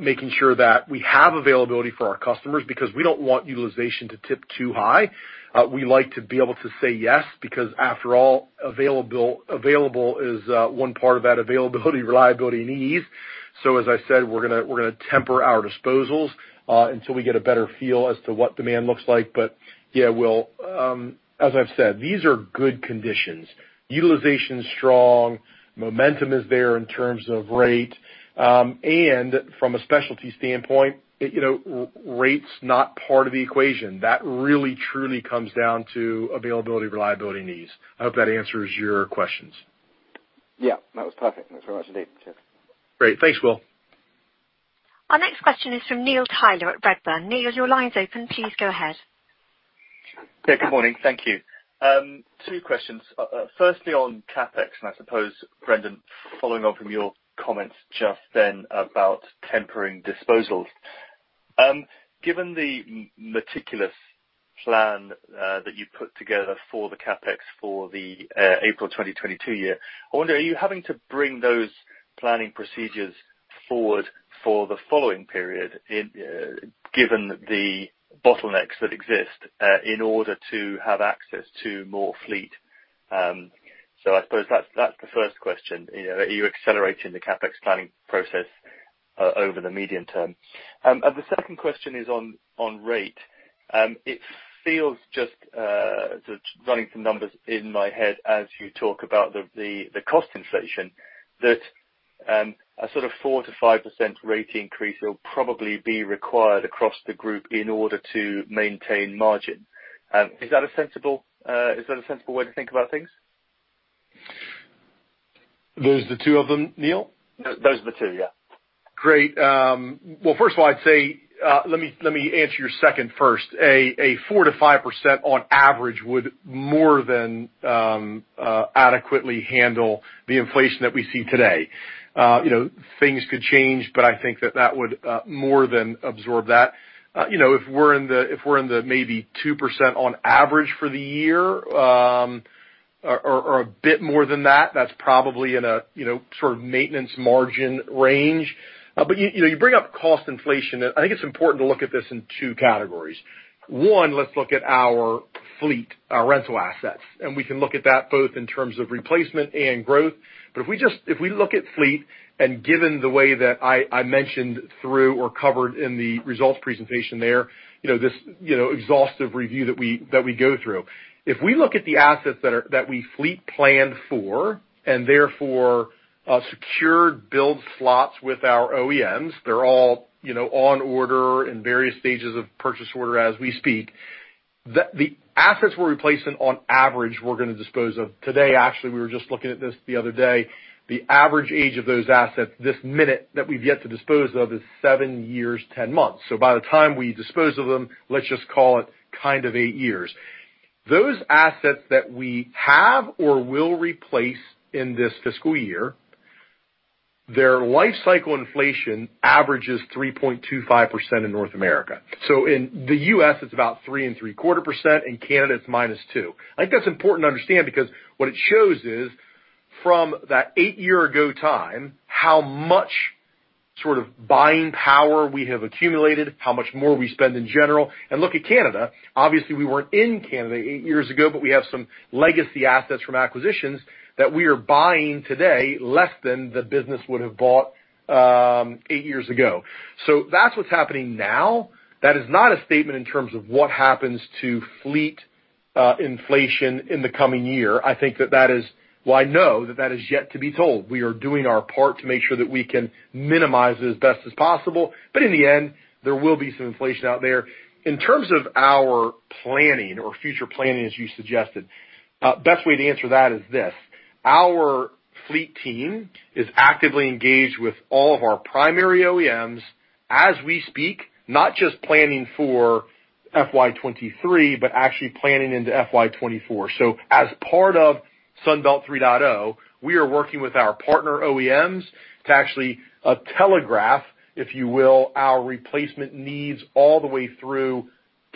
making sure that we have availability for our customers because we don't want utilization to tip too high. We like to be able to say yes, because after all, available is one part of that availability, reliability, and ease. As I said, we're going to temper our disposals until we get a better feel as to what demand looks like. Yeah, Will, as I've said, these are good conditions. Utilization's strong, momentum is there in terms of rate. From a specialty standpoint, rate's not part of the equation. That really truly comes down to availability, reliability, and ease. I hope that answers your questions. Yeah. No, it was perfect. Thanks very much indeed. Cheers. Great. Thanks, Will. Our next question is from Neil Tyler at Redburn. Neil, your line's open. Please go ahead. Yeah, good morning. Thank you. Two questions. Firstly, on CapEx, I suppose, Brendan, following on from your comments just then about tempering disposals. Given the meticulous plan that you put together for the CapEx for the April 2022 year, I wonder, are you having to bring those planning procedures forward for the following period, given the bottlenecks that exist, in order to have access to more fleet? I suppose that's the first question. Are you accelerating the CapEx planning process over the medium term? The second question is on rate. It feels, just running some numbers in my head as you talk about the cost inflation, that a sort of 4%-5% rate increase will probably be required across the group in order to maintain margin. Is that a sensible way to think about things? Those are the two of them, Neil? Those are the two, yeah. First of all, I'd say, let me answer your second first. A 4%-5% on average would more than adequately handle the inflation that we see today. Things could change, I think that that would more than absorb that. If we're in the maybe 2% on average for the year, or a bit more than that's probably in a sort of maintenance margin range. You bring up cost inflation, and I think it's important to look at this in two categories. One, let's look at our fleet, our rental assets, and we can look at that both in terms of replacement and growth. If we look at fleet, and given the way that I mentioned through or covered in the results presentation there, this exhaustive review that we go through. If we look at the assets that we fleet planned for, and therefore, secured build slots with our OEMs, they're all on order in various stages of purchase order as we speak. The assets we're replacing on average, we're going to dispose of. Today, actually, we were just looking at this the other day. The average age of those assets this minute that we've yet to dispose of is seven years, 10 months. By the time we dispose of them, let's just call it kind of eight years. Those assets that we have or will replace in this fiscal year, their life cycle inflation average is 3.25% in North America. In the U.S., it's about 3.75%, in Canada, it's minus 2%. I think that's important to understand because what it shows is from that eight years ago time, how much sort of buying power we have accumulated, how much more we spend in general. Look at Canada. Obviously, we weren't in Canada eight years ago, but we have some legacy assets from acquisitions that we are buying today less than the business would have bought eight years ago. That's what's happening now. That is not a statement in terms of what happens to fleet inflation in the coming year. I think that that is Well, I know that that is yet to be told. We are doing our part to make sure that we can minimize it as best as possible, but in the end, there will be some inflation out there. In terms of our planning or future planning, as you suggested. Best way to answer that is this. Our fleet team is actively engaged with all of our primary OEMs as we speak, not just planning for FY 2023, but actually planning into FY 2024. As part of Sunbelt 3.0, we are working with our partner OEMs to actually telegraph, if you will, our replacement needs all the way through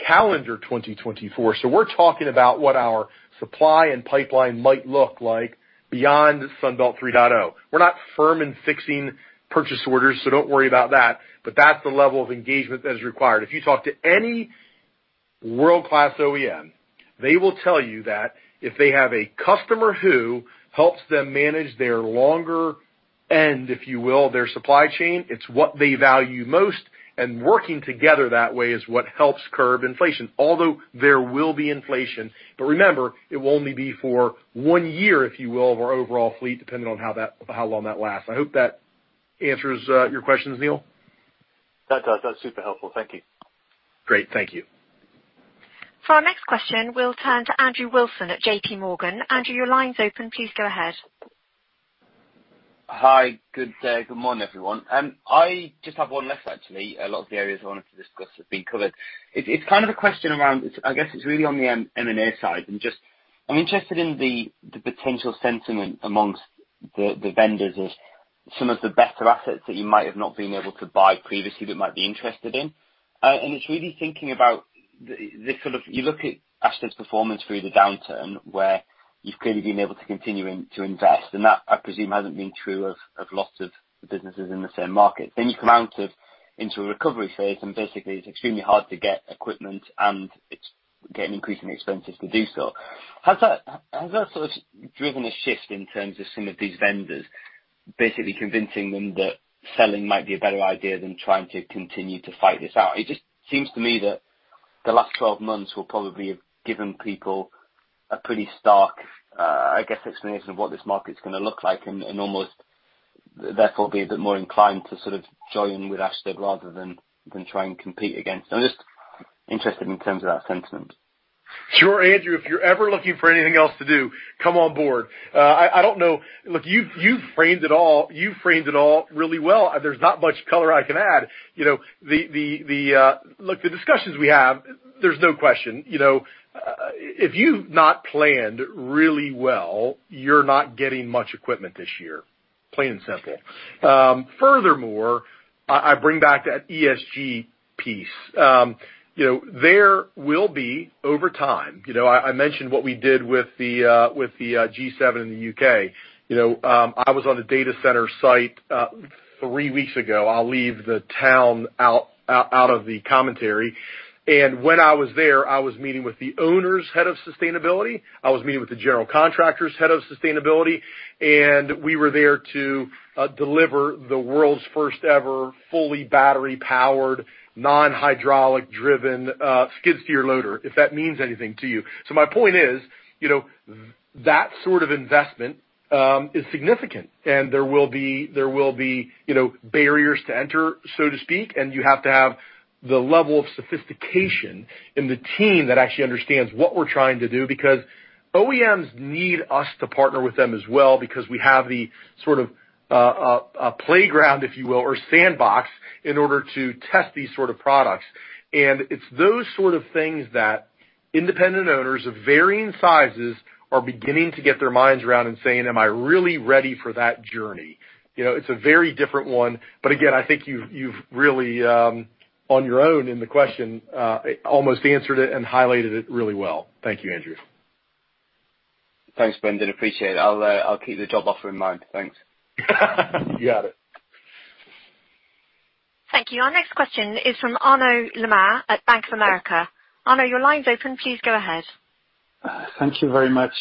calendar 2024. We're talking about what our supply and pipeline might look like beyond Sunbelt 3.0. We're not firm in fixing purchase orders, don't worry about that's the level of engagement that is required. If you talk to any world-class OEM, they will tell you that if they have a customer who helps them manage their longer end, if you will, of their supply chain, it's what they value most, working together that way is what helps curb inflation. Although there will be inflation. Remember, it will only be for one year, if you will, of our overall fleet, depending on how long that lasts. I hope that answers your questions, Neil. That does. That's super helpful. Thank you. Great. Thank you. For our next question, we'll turn to Andrew Wilson at JPMorgan. Andrew, your line's open. Please go ahead. Hi. Good day. Good morning, everyone. I just have one left, actually. A lot of the areas I wanted to discuss have been covered. It's kind of a question around, I guess it's really on the M&A side. I'm interested in the potential sentiment amongst the vendors of some of the better assets that you might have not been able to buy previously that might be interested in. It's really thinking about the sort of you look at Ashtead's performance through the downturn, where you've clearly been able to continue to invest, and that, I presume, hasn't been true of lots of businesses in the same market. You come out into a recovery phase, and basically, it's extremely hard to get equipment, and it's getting increasingly expensive to do so. Has that sort of driven a shift in terms of some of these vendors, basically convincing them that selling might be a better idea than trying to continue to fight this out? It just seems to me that the last 12 months will probably have given people a pretty stark, I guess, explanation of what this market is going to look like and almost therefore be a bit more inclined to sort of join with Ashtead rather than try and compete against. I'm just interested in terms of that sentiment. Sure, Andrew. If you're ever looking for anything else to do, come on board. I don't know. Look, you've framed it all really well. There's not much color I can add. Look, the discussions we have, there's no question. If you've not planned really well, you're not getting much equipment this year, plain and simple. Furthermore, I bring back that ESG piece. There will be over time. I mentioned what we did with the G7 Summit in the U.K. I was on the data center site three weeks ago. I'll leave the town out of the commentary. I was meeting with the owner's Head of Sustainability. I was meeting with the general contractor's Head of Sustainability. We were there to deliver the world's first ever fully battery powered, non-hydraulic driven skid steer loader, if that means anything to you. My point is, that sort of investment is significant and there will be barriers to enter, so to speak, and you have to have the level of sophistication in the team that actually understands what we're trying to do, because OEMs need us to partner with them as well, because we have the playground, if you will, or sandbox in order to test these sort of products. It's those sort of things that independent owners of varying sizes are beginning to get their minds around and saying, "Am I really ready for that journey?" It's a very different one, but again, I think you've really, on your own in the question, almost answered it and highlighted it really well. Thank you, Andrew. Thanks, Brendan. Appreciate it. I'll keep the job offer in mind. Thanks. You got it. Thank you. Our next question is from Arnaud Lehmann at Bank of America. Arnaud, you're line's open. Please go ahead. Thank you very much.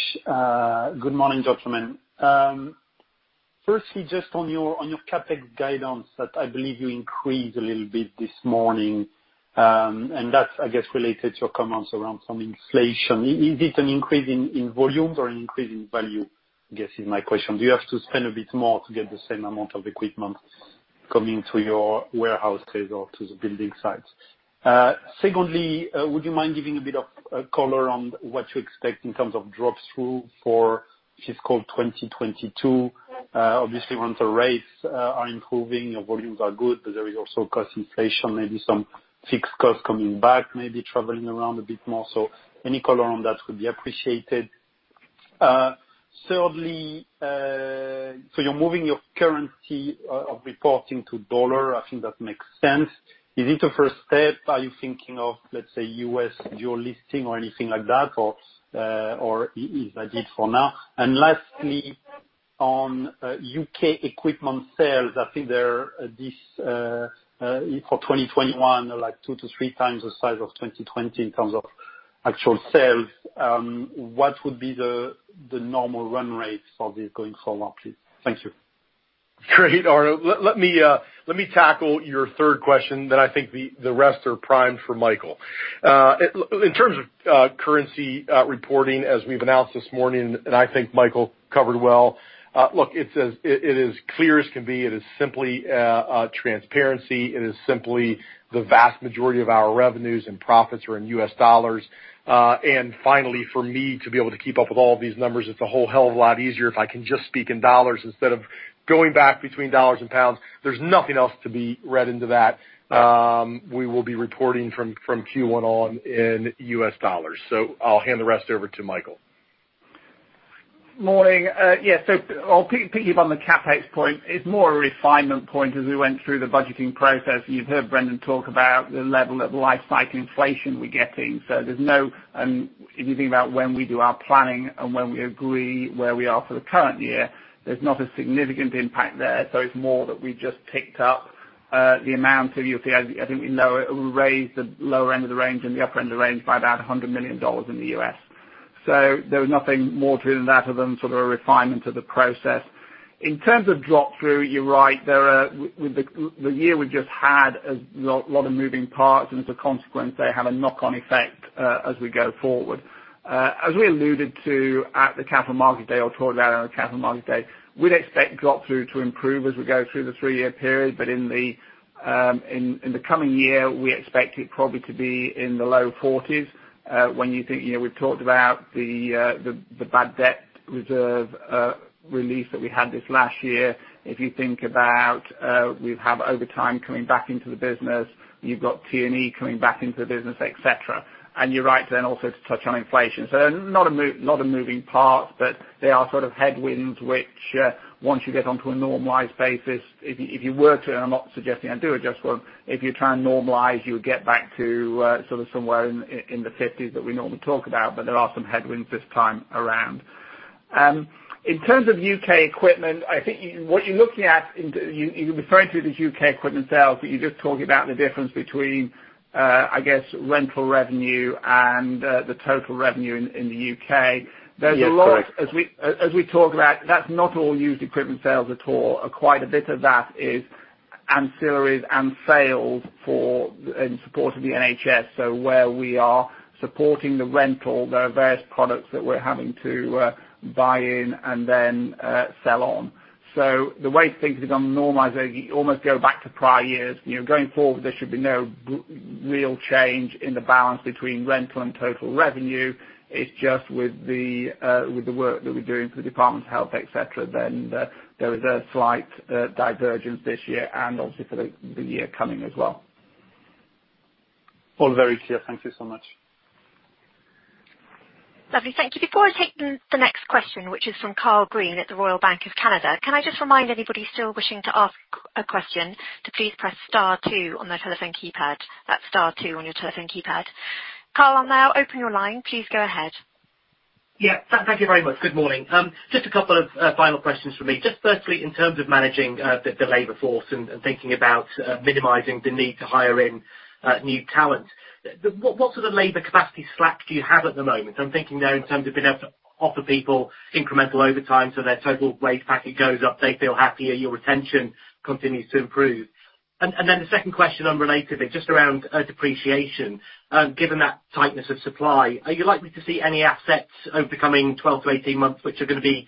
Good morning, gentlemen. Firstly, just on your CapEx guidance that I believe you increased a little bit this morning, and that's, I guess, related to your comments around some inflation. Is it an increase in volume or an increase in value, I guess is my question? Do you have to spend a bit more to get the same amount of equipment coming through your warehouses or to the building sites? Secondly, would you mind giving a bit of color on what you expect in terms of drop-through for fiscal 2022? Obviously, rental rates are improving, your volumes are good, but there is also cost inflation, maybe some fixed costs coming back, maybe traveling around a bit more. Any color on that would be appreciated. Thirdly, you're moving your currency of reporting to dollar. I think that makes sense. Is it a first step? Are you thinking of, let's say, U.S. dual listing or anything like that, or is that it for now? Lastly, on U.K. equipment sales, I think they're, for 2021, 2x-3x the size of 2020 in terms of actual sales. What would be the normal run rates obviously going forward? Thank you. Great, Arnaud. Let me tackle your third question, then I think the rest are primed for Michael. In terms of currency reporting, as we've announced this morning, and I think Michael covered well. Look, it is clear as can be. It is simply transparency. It is simply the vast majority of our revenues and profits are in US dollars. Finally, for me to be able to keep up with all these numbers, it's a whole hell of a lot easier if I can just speak in dollars instead of going back between dollars and pounds. There's nothing else to be read into that. We will be reporting from Q1 on in U.S. dollars. I'll hand the rest over to Michael. Morning. Yeah, I'll piggyback on the CapEx point. It's more a refinement point as we went through the budgeting process. You've heard Brendan talk about the level of life cycle inflation we're getting. If you think about when we do our planning and when we agree where we are for the current year, there's not a significant impact there. It's more that we just picked up the amount. You'll see, I think we raised the lower end of the range and the upper end of range by about $100 million in the U.S. There was nothing more to that other than sort of refinement of the process. In terms of drop-through, you're right. The year we just had a lot of moving parts and as a consequence, they have a knock-on effect as we go forward. As we alluded to at the Capital Markets Day or talked about at the Capital Markets Day, we'd expect drop-through to improve as we go through the three-year period. In the coming year, we expect it probably to be in the low 40s. When you think, we talked about the bad debt reserve relief that we had this last year. If you think about, we have overtime coming back into the business, you've got T&E coming back into the business, et cetera. You're right then also to touch on inflation. A lot of moving parts, but they are sort of headwinds which once you get onto a normalized basis, if you were to, and I'm not suggesting you do or just go, if you try and normalize, you would get back to sort of somewhere in the 50s that we normally talk about. There are some headwinds this time around. In terms of U.K. equipment, I think what you're looking at, you refer to it as U.K. equipment sales, but you're just talking about the difference between, I guess, rental revenue and the total revenue in the U.K. Yes, correct. As we talked about, that's not all used equipment sales at all. Quite a bit of that is ancillaries and sales in support of the NHS. Where we are supporting the rental, there are various products that we're having to buy in and then sell on. The way things become normalized, they almost go back to prior years. Going forward, there should be no real change in the balance between rental and total revenue. It's just with the work that we're doing for the Department of Health, et cetera, then there is a slight divergence this year and obviously the year coming as well. All very clear. Thank you so much. Lovely. Thank you. Before I take the next question, which is from Karl Green at the Royal Bank of Canada, can I just remind anybody still wishing to ask a question to please press star two on their telephone keypad. That's star two on your telephone keypad. Karl, I'll now open your line. Please go ahead. Yeah. Thank you very much. Good morning. Just a couple of final questions for me. Just firstly, in terms of managing the labor force and thinking about minimizing the need to hire in new talent, what sort of labor capacity slack do you have at the moment? I'm thinking though, in terms of being able to offer people incremental overtime, so their total wage package goes up, they feel happier, your retention continues to improve. The second question on related is just around depreciation. Given that tightness of supply, are you likely to see any assets over coming 12-18 months which are going to be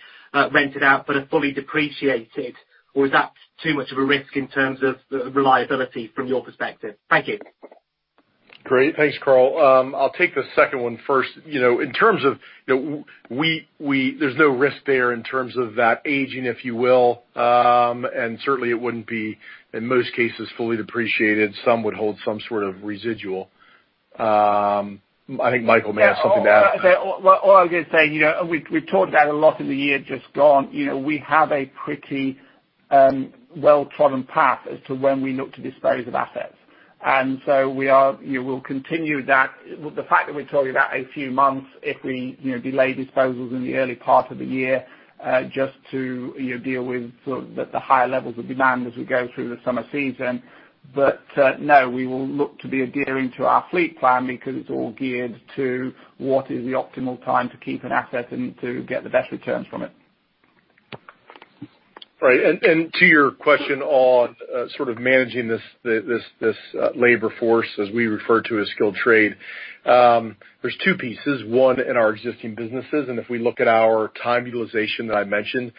rented out but are fully depreciated? Is that too much of a risk in terms of reliability from your perspective? Thank you. Great. Thanks, Karl. I'll take the second one first. There's no risk there in terms of that aging, if you will. Certainly it wouldn't be, in most cases, fully depreciated. Some would hold some sort of residual. I think Michael may have something to add. All I can say, and we talked about a lot in the year just gone. We have a pretty well-trodden path as to when we look to dispose of assets. We'll continue that. The fact that we told you about a few months, if we delay disposals in the early part of the year, just to deal with the higher levels of demand as we go through the summer season. No, we will look to adhere to our fleet plan because it's all geared to what is the optimal time to keep an asset and to get the best returns from it. Right. To your question on managing this labor force, as we refer to as skilled trade. There's two pieces, one in our existing businesses, and if we look at our time utilization that I mentioned,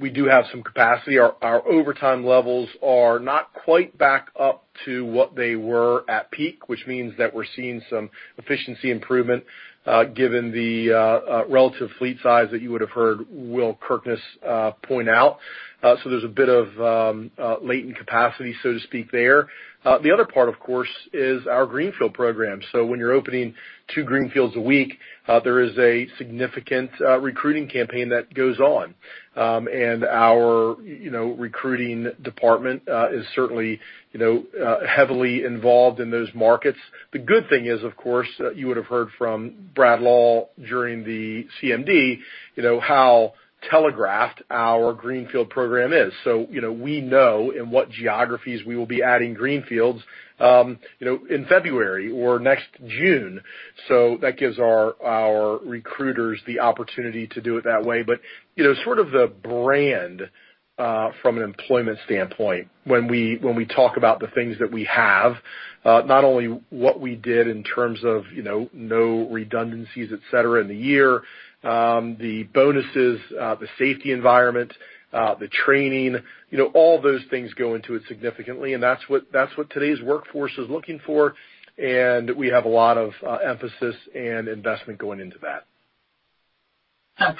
we do have some capacity. Our overtime levels are not quite back up to what they were at peak, which means that we're seeing some efficiency improvement, given the relative fleet size that you would have heard Will Kirkness point out. There's a bit of latent capacity, so to speak there. The other part, of course, is our greenfield program. When you're opening two greenfields a week, there is a significant recruiting campaign that goes on. Our recruiting department is certainly heavily involved in those markets. The good thing is, of course, you would have heard from Brad Lull during the CMD, how telegraphed our greenfield program is. We know in what geographies we will be adding greenfields in February or next June. That gives our recruiters the opportunity to do it that way. Sort of the brand, from an employment standpoint, when we talk about the things that we have, not only what we did in terms of no redundancies, et cetera, in the year, the bonuses, the safety environment, the training, all those things go into it significantly. That's what today's workforce is looking for, and we have a lot of emphasis and investment going into that.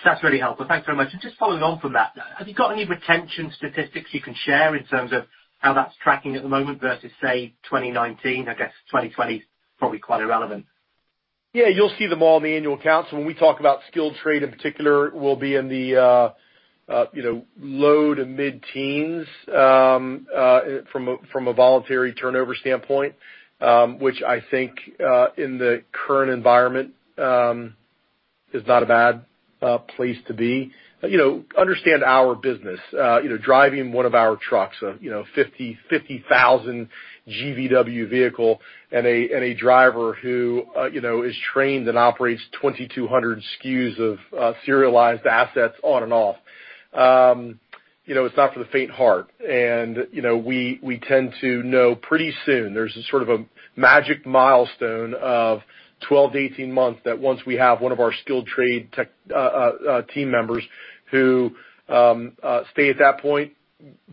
That's really helpful. Thanks very much. Just following on from that, have you got any retention statistics you can share in terms of how that's tracking at the moment versus, say, 2019? I guess 2020 is probably quite irrelevant. You'll see them all in the annual accounts. When we talk about skilled trade in particular, we'll be in the low to mid-teens from a voluntary turnover standpoint, which I think in the current environment, is not a bad place to be. Understand our business. Driving one of our trucks, 50,000 GVW vehicle and a driver who is trained and operates 2,200 SKUs of serialized assets on and off. It's not for the faint heart. We tend to know pretty soon there's a sort of a magic milestone of 12-18 months that once we have one of our skilled trade team members who stay at that point,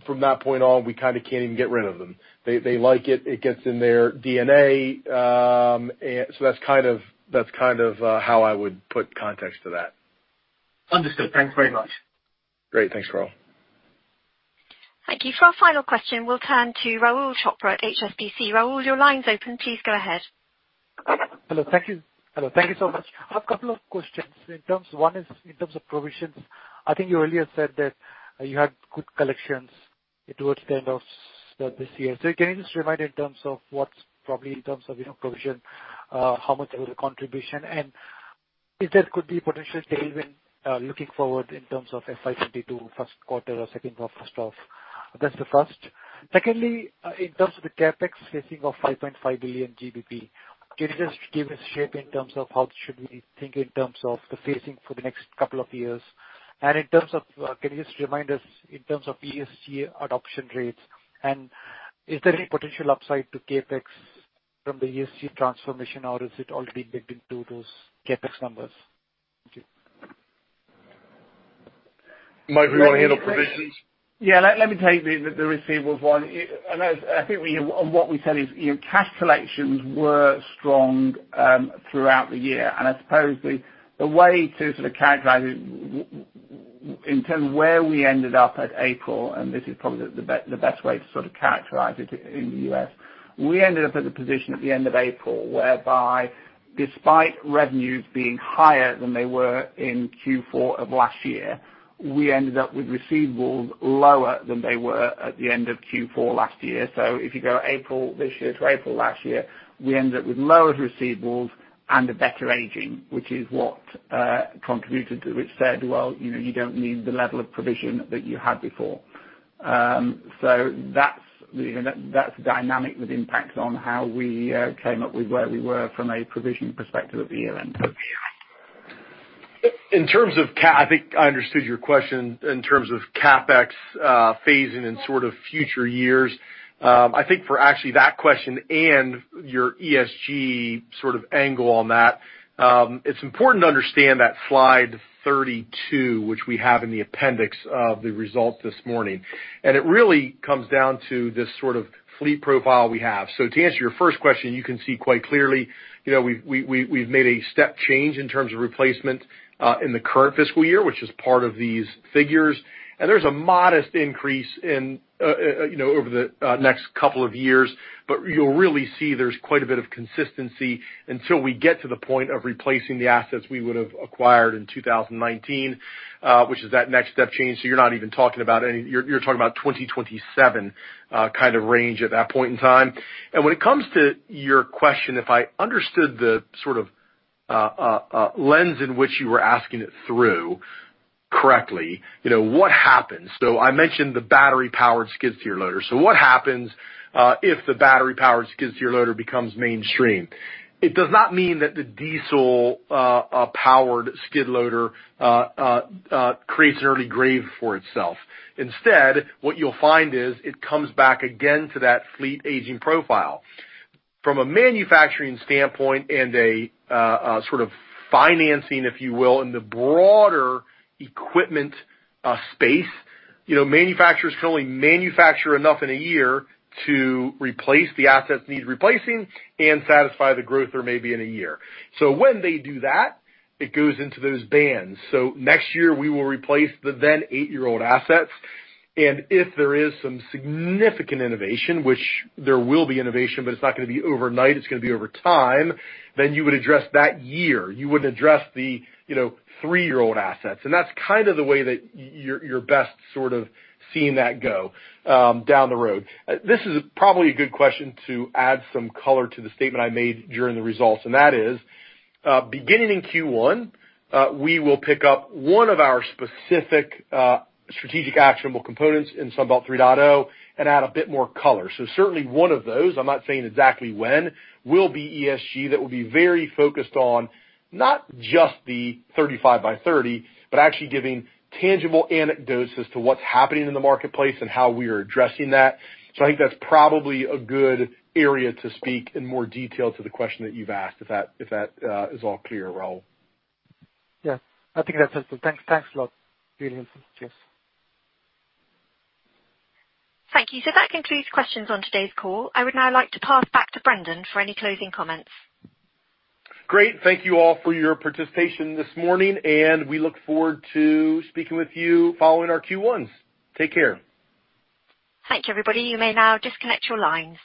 from that point on, we kind of can't even get rid of them. They like it. It gets in their DNA. That's kind of how I would put context to that. Understood. Thanks very much. Great. Thanks, Karl. Thank you. For our final question, we'll turn to Rahul Chopra at HSBC. Rahul, your line's open. Please go ahead. Hello. Thank you so much. A couple of questions. One is in terms of provisions. I think you earlier said that you had good collections towards the end of this year. Can you just remind in terms of what's probably in terms of your provision, how much of a contribution, and if there could be potential tailwind, looking forward in terms of FY 2022, first quarter or second quarter first off. That's the first. Secondly, in terms of the CapEx phasing of 5.5 billion GBP, can you just give a shape in terms of how should we think in terms of the phasing for the next couple of years? In terms of, can you just remind us in terms of ESG adoption rates, and is there any potential upside to CapEx from the ESG transformation, or is it already baked into those CapEx numbers? Thank you. Michael, do you want to handle provisions? Yeah, let me take the receivables one. I think what we said is cash collections were strong throughout the year. I suppose the way to sort of characterize it in terms of where we ended up at April, and this is probably the best way to sort of characterize it in the U.S. We ended up in a position at the end of April whereby despite revenues being higher than they were in Q4 of last year, we ended up with receivables lower than they were at the end of Q4 last year. If you go April this year to April last year, we ended up with lower receivables and a better aging, which is what contributed to it, which said, well, you don't need the level of provision that you had before. That's the dynamic that impacted on how we came up with where we were from a provision perspective at year-end. I think I understood your question in terms of CapEx phasing in future years. I think for actually that question and your ESG angle on that, it's important to understand that slide 32, which we have in the appendix of the results this morning. It really comes down to this sort of fleet profile we have. To answer your first question, you can see quite clearly, we've made a step change in terms of replacement in the current fiscal year, which is part of these figures. There's a modest increase over the next couple of years. You'll really see there's quite a bit of consistency until we get to the point of replacing the assets we would have acquired in 2019, which is that next step change. You're not even talking about any, you're talking about 2027 kind of range at that point in time. When it comes to your question, if I understood the sort of lens in which you were asking it through correctly, what happens? I mentioned the battery-powered skid steer loader. What happens if the battery-powered skid steer loader becomes mainstream? It does not mean that the diesel-powered skid loader creates an early grave for itself. Instead, what you'll find is it comes back again to that fleet aging profile. From a manufacturing standpoint and a sort of financing, if you will, in the broader equipment space, manufacturers can only manufacture enough in a year to replace the assets that need replacing and satisfy the growth there may be in a year. When they do that, it goes into those bands. Next year, we will replace the then eight-year-old assets, and if there is some significant innovation, which there will be innovation, but it's not going to be overnight, it's going to be over time, then you would address that year. You wouldn't address the three-year-old assets. That's kind of the way that you're best sort of seeing that go down the road. This is probably a good question to add some color to the statement I made during the results, and that is, beginning in Q1, we will pick up one of our specific strategic actionable components in Sunbelt 3.0 and add a bit more color. Certainly one of those, I'm not saying exactly when, will be ESG. That will be very focused on not just the 35 by 30, but actually giving tangible anecdotes as to what's happening in the marketplace and how we are addressing that. I think that's probably a good area to speak in more detail to the question that you've asked, if that is all clear, Rahul. Yes. I think that's it. Thanks a lot. Cheers. Thank you. That concludes questions on today's call. I would now like to pass back to Brendan for any closing comments. Great. Thank you all for your participation this morning, and we look forward to speaking with you following our Q1. Take care. Thanks, everybody. You may now disconnect your lines.